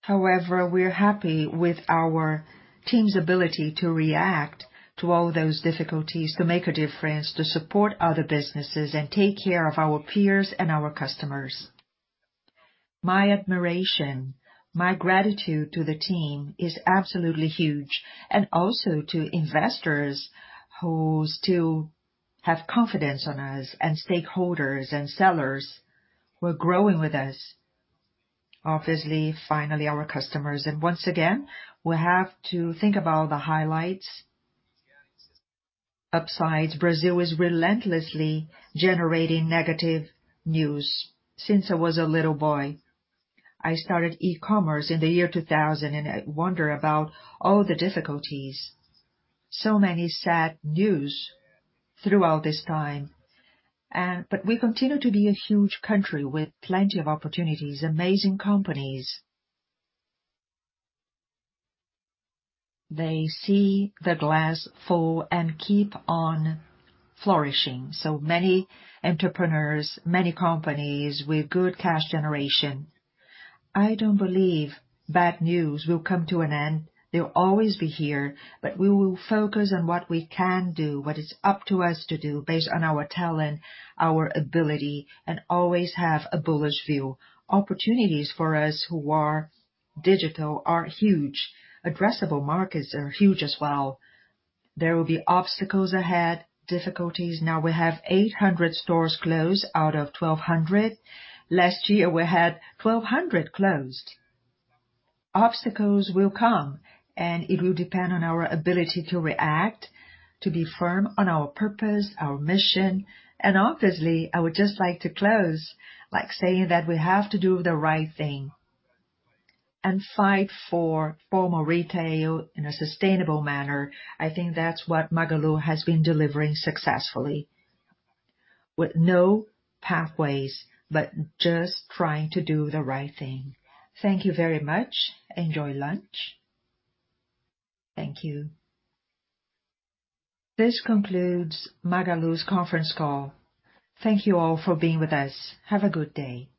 However, we're happy with our team's ability to react to all those difficulties, to make a difference, to support other businesses, and take care of our peers and our customers. My admiration, my gratitude to the team is absolutely huge. Also to investors who still have confidence in us, and stakeholders and sellers who are growing with us. Finally, our customers. Once again, we have to think about the highlights, upsides. Brazil is relentlessly generating negative news since I was a little boy. I started e-commerce in the year 2000, and I wonder about all the difficulties. Many sad news throughout this time. We continue to be a huge country with plenty of opportunities, amazing companies. They see the glass full and keep on flourishing. Many entrepreneurs, many companies with good cash generation. I don't believe bad news will come to an end. They'll always be here. We will focus on what we can do, what is up to us to do based on our talent, our ability, and always have a bullish view. Opportunities for us who are digital are huge. Addressable markets are huge as well. There will be obstacles ahead, difficulties. Now we have 800 stores closed out of 1,200. Last year, we had 1,200 closed. Obstacles will come, and it will depend on our ability to react, to be firm on our purpose, our mission. Obviously, I would just like to close by saying that we have to do the right thing and fight for formal retail in a sustainable manner. I think that's what Magalu has been delivering successfully with no pathways, but just trying to do the right thing. Thank you very much. Enjoy lunch. Thank you. This concludes Magalu's conference call. Thank you all for being with us. Have a good day.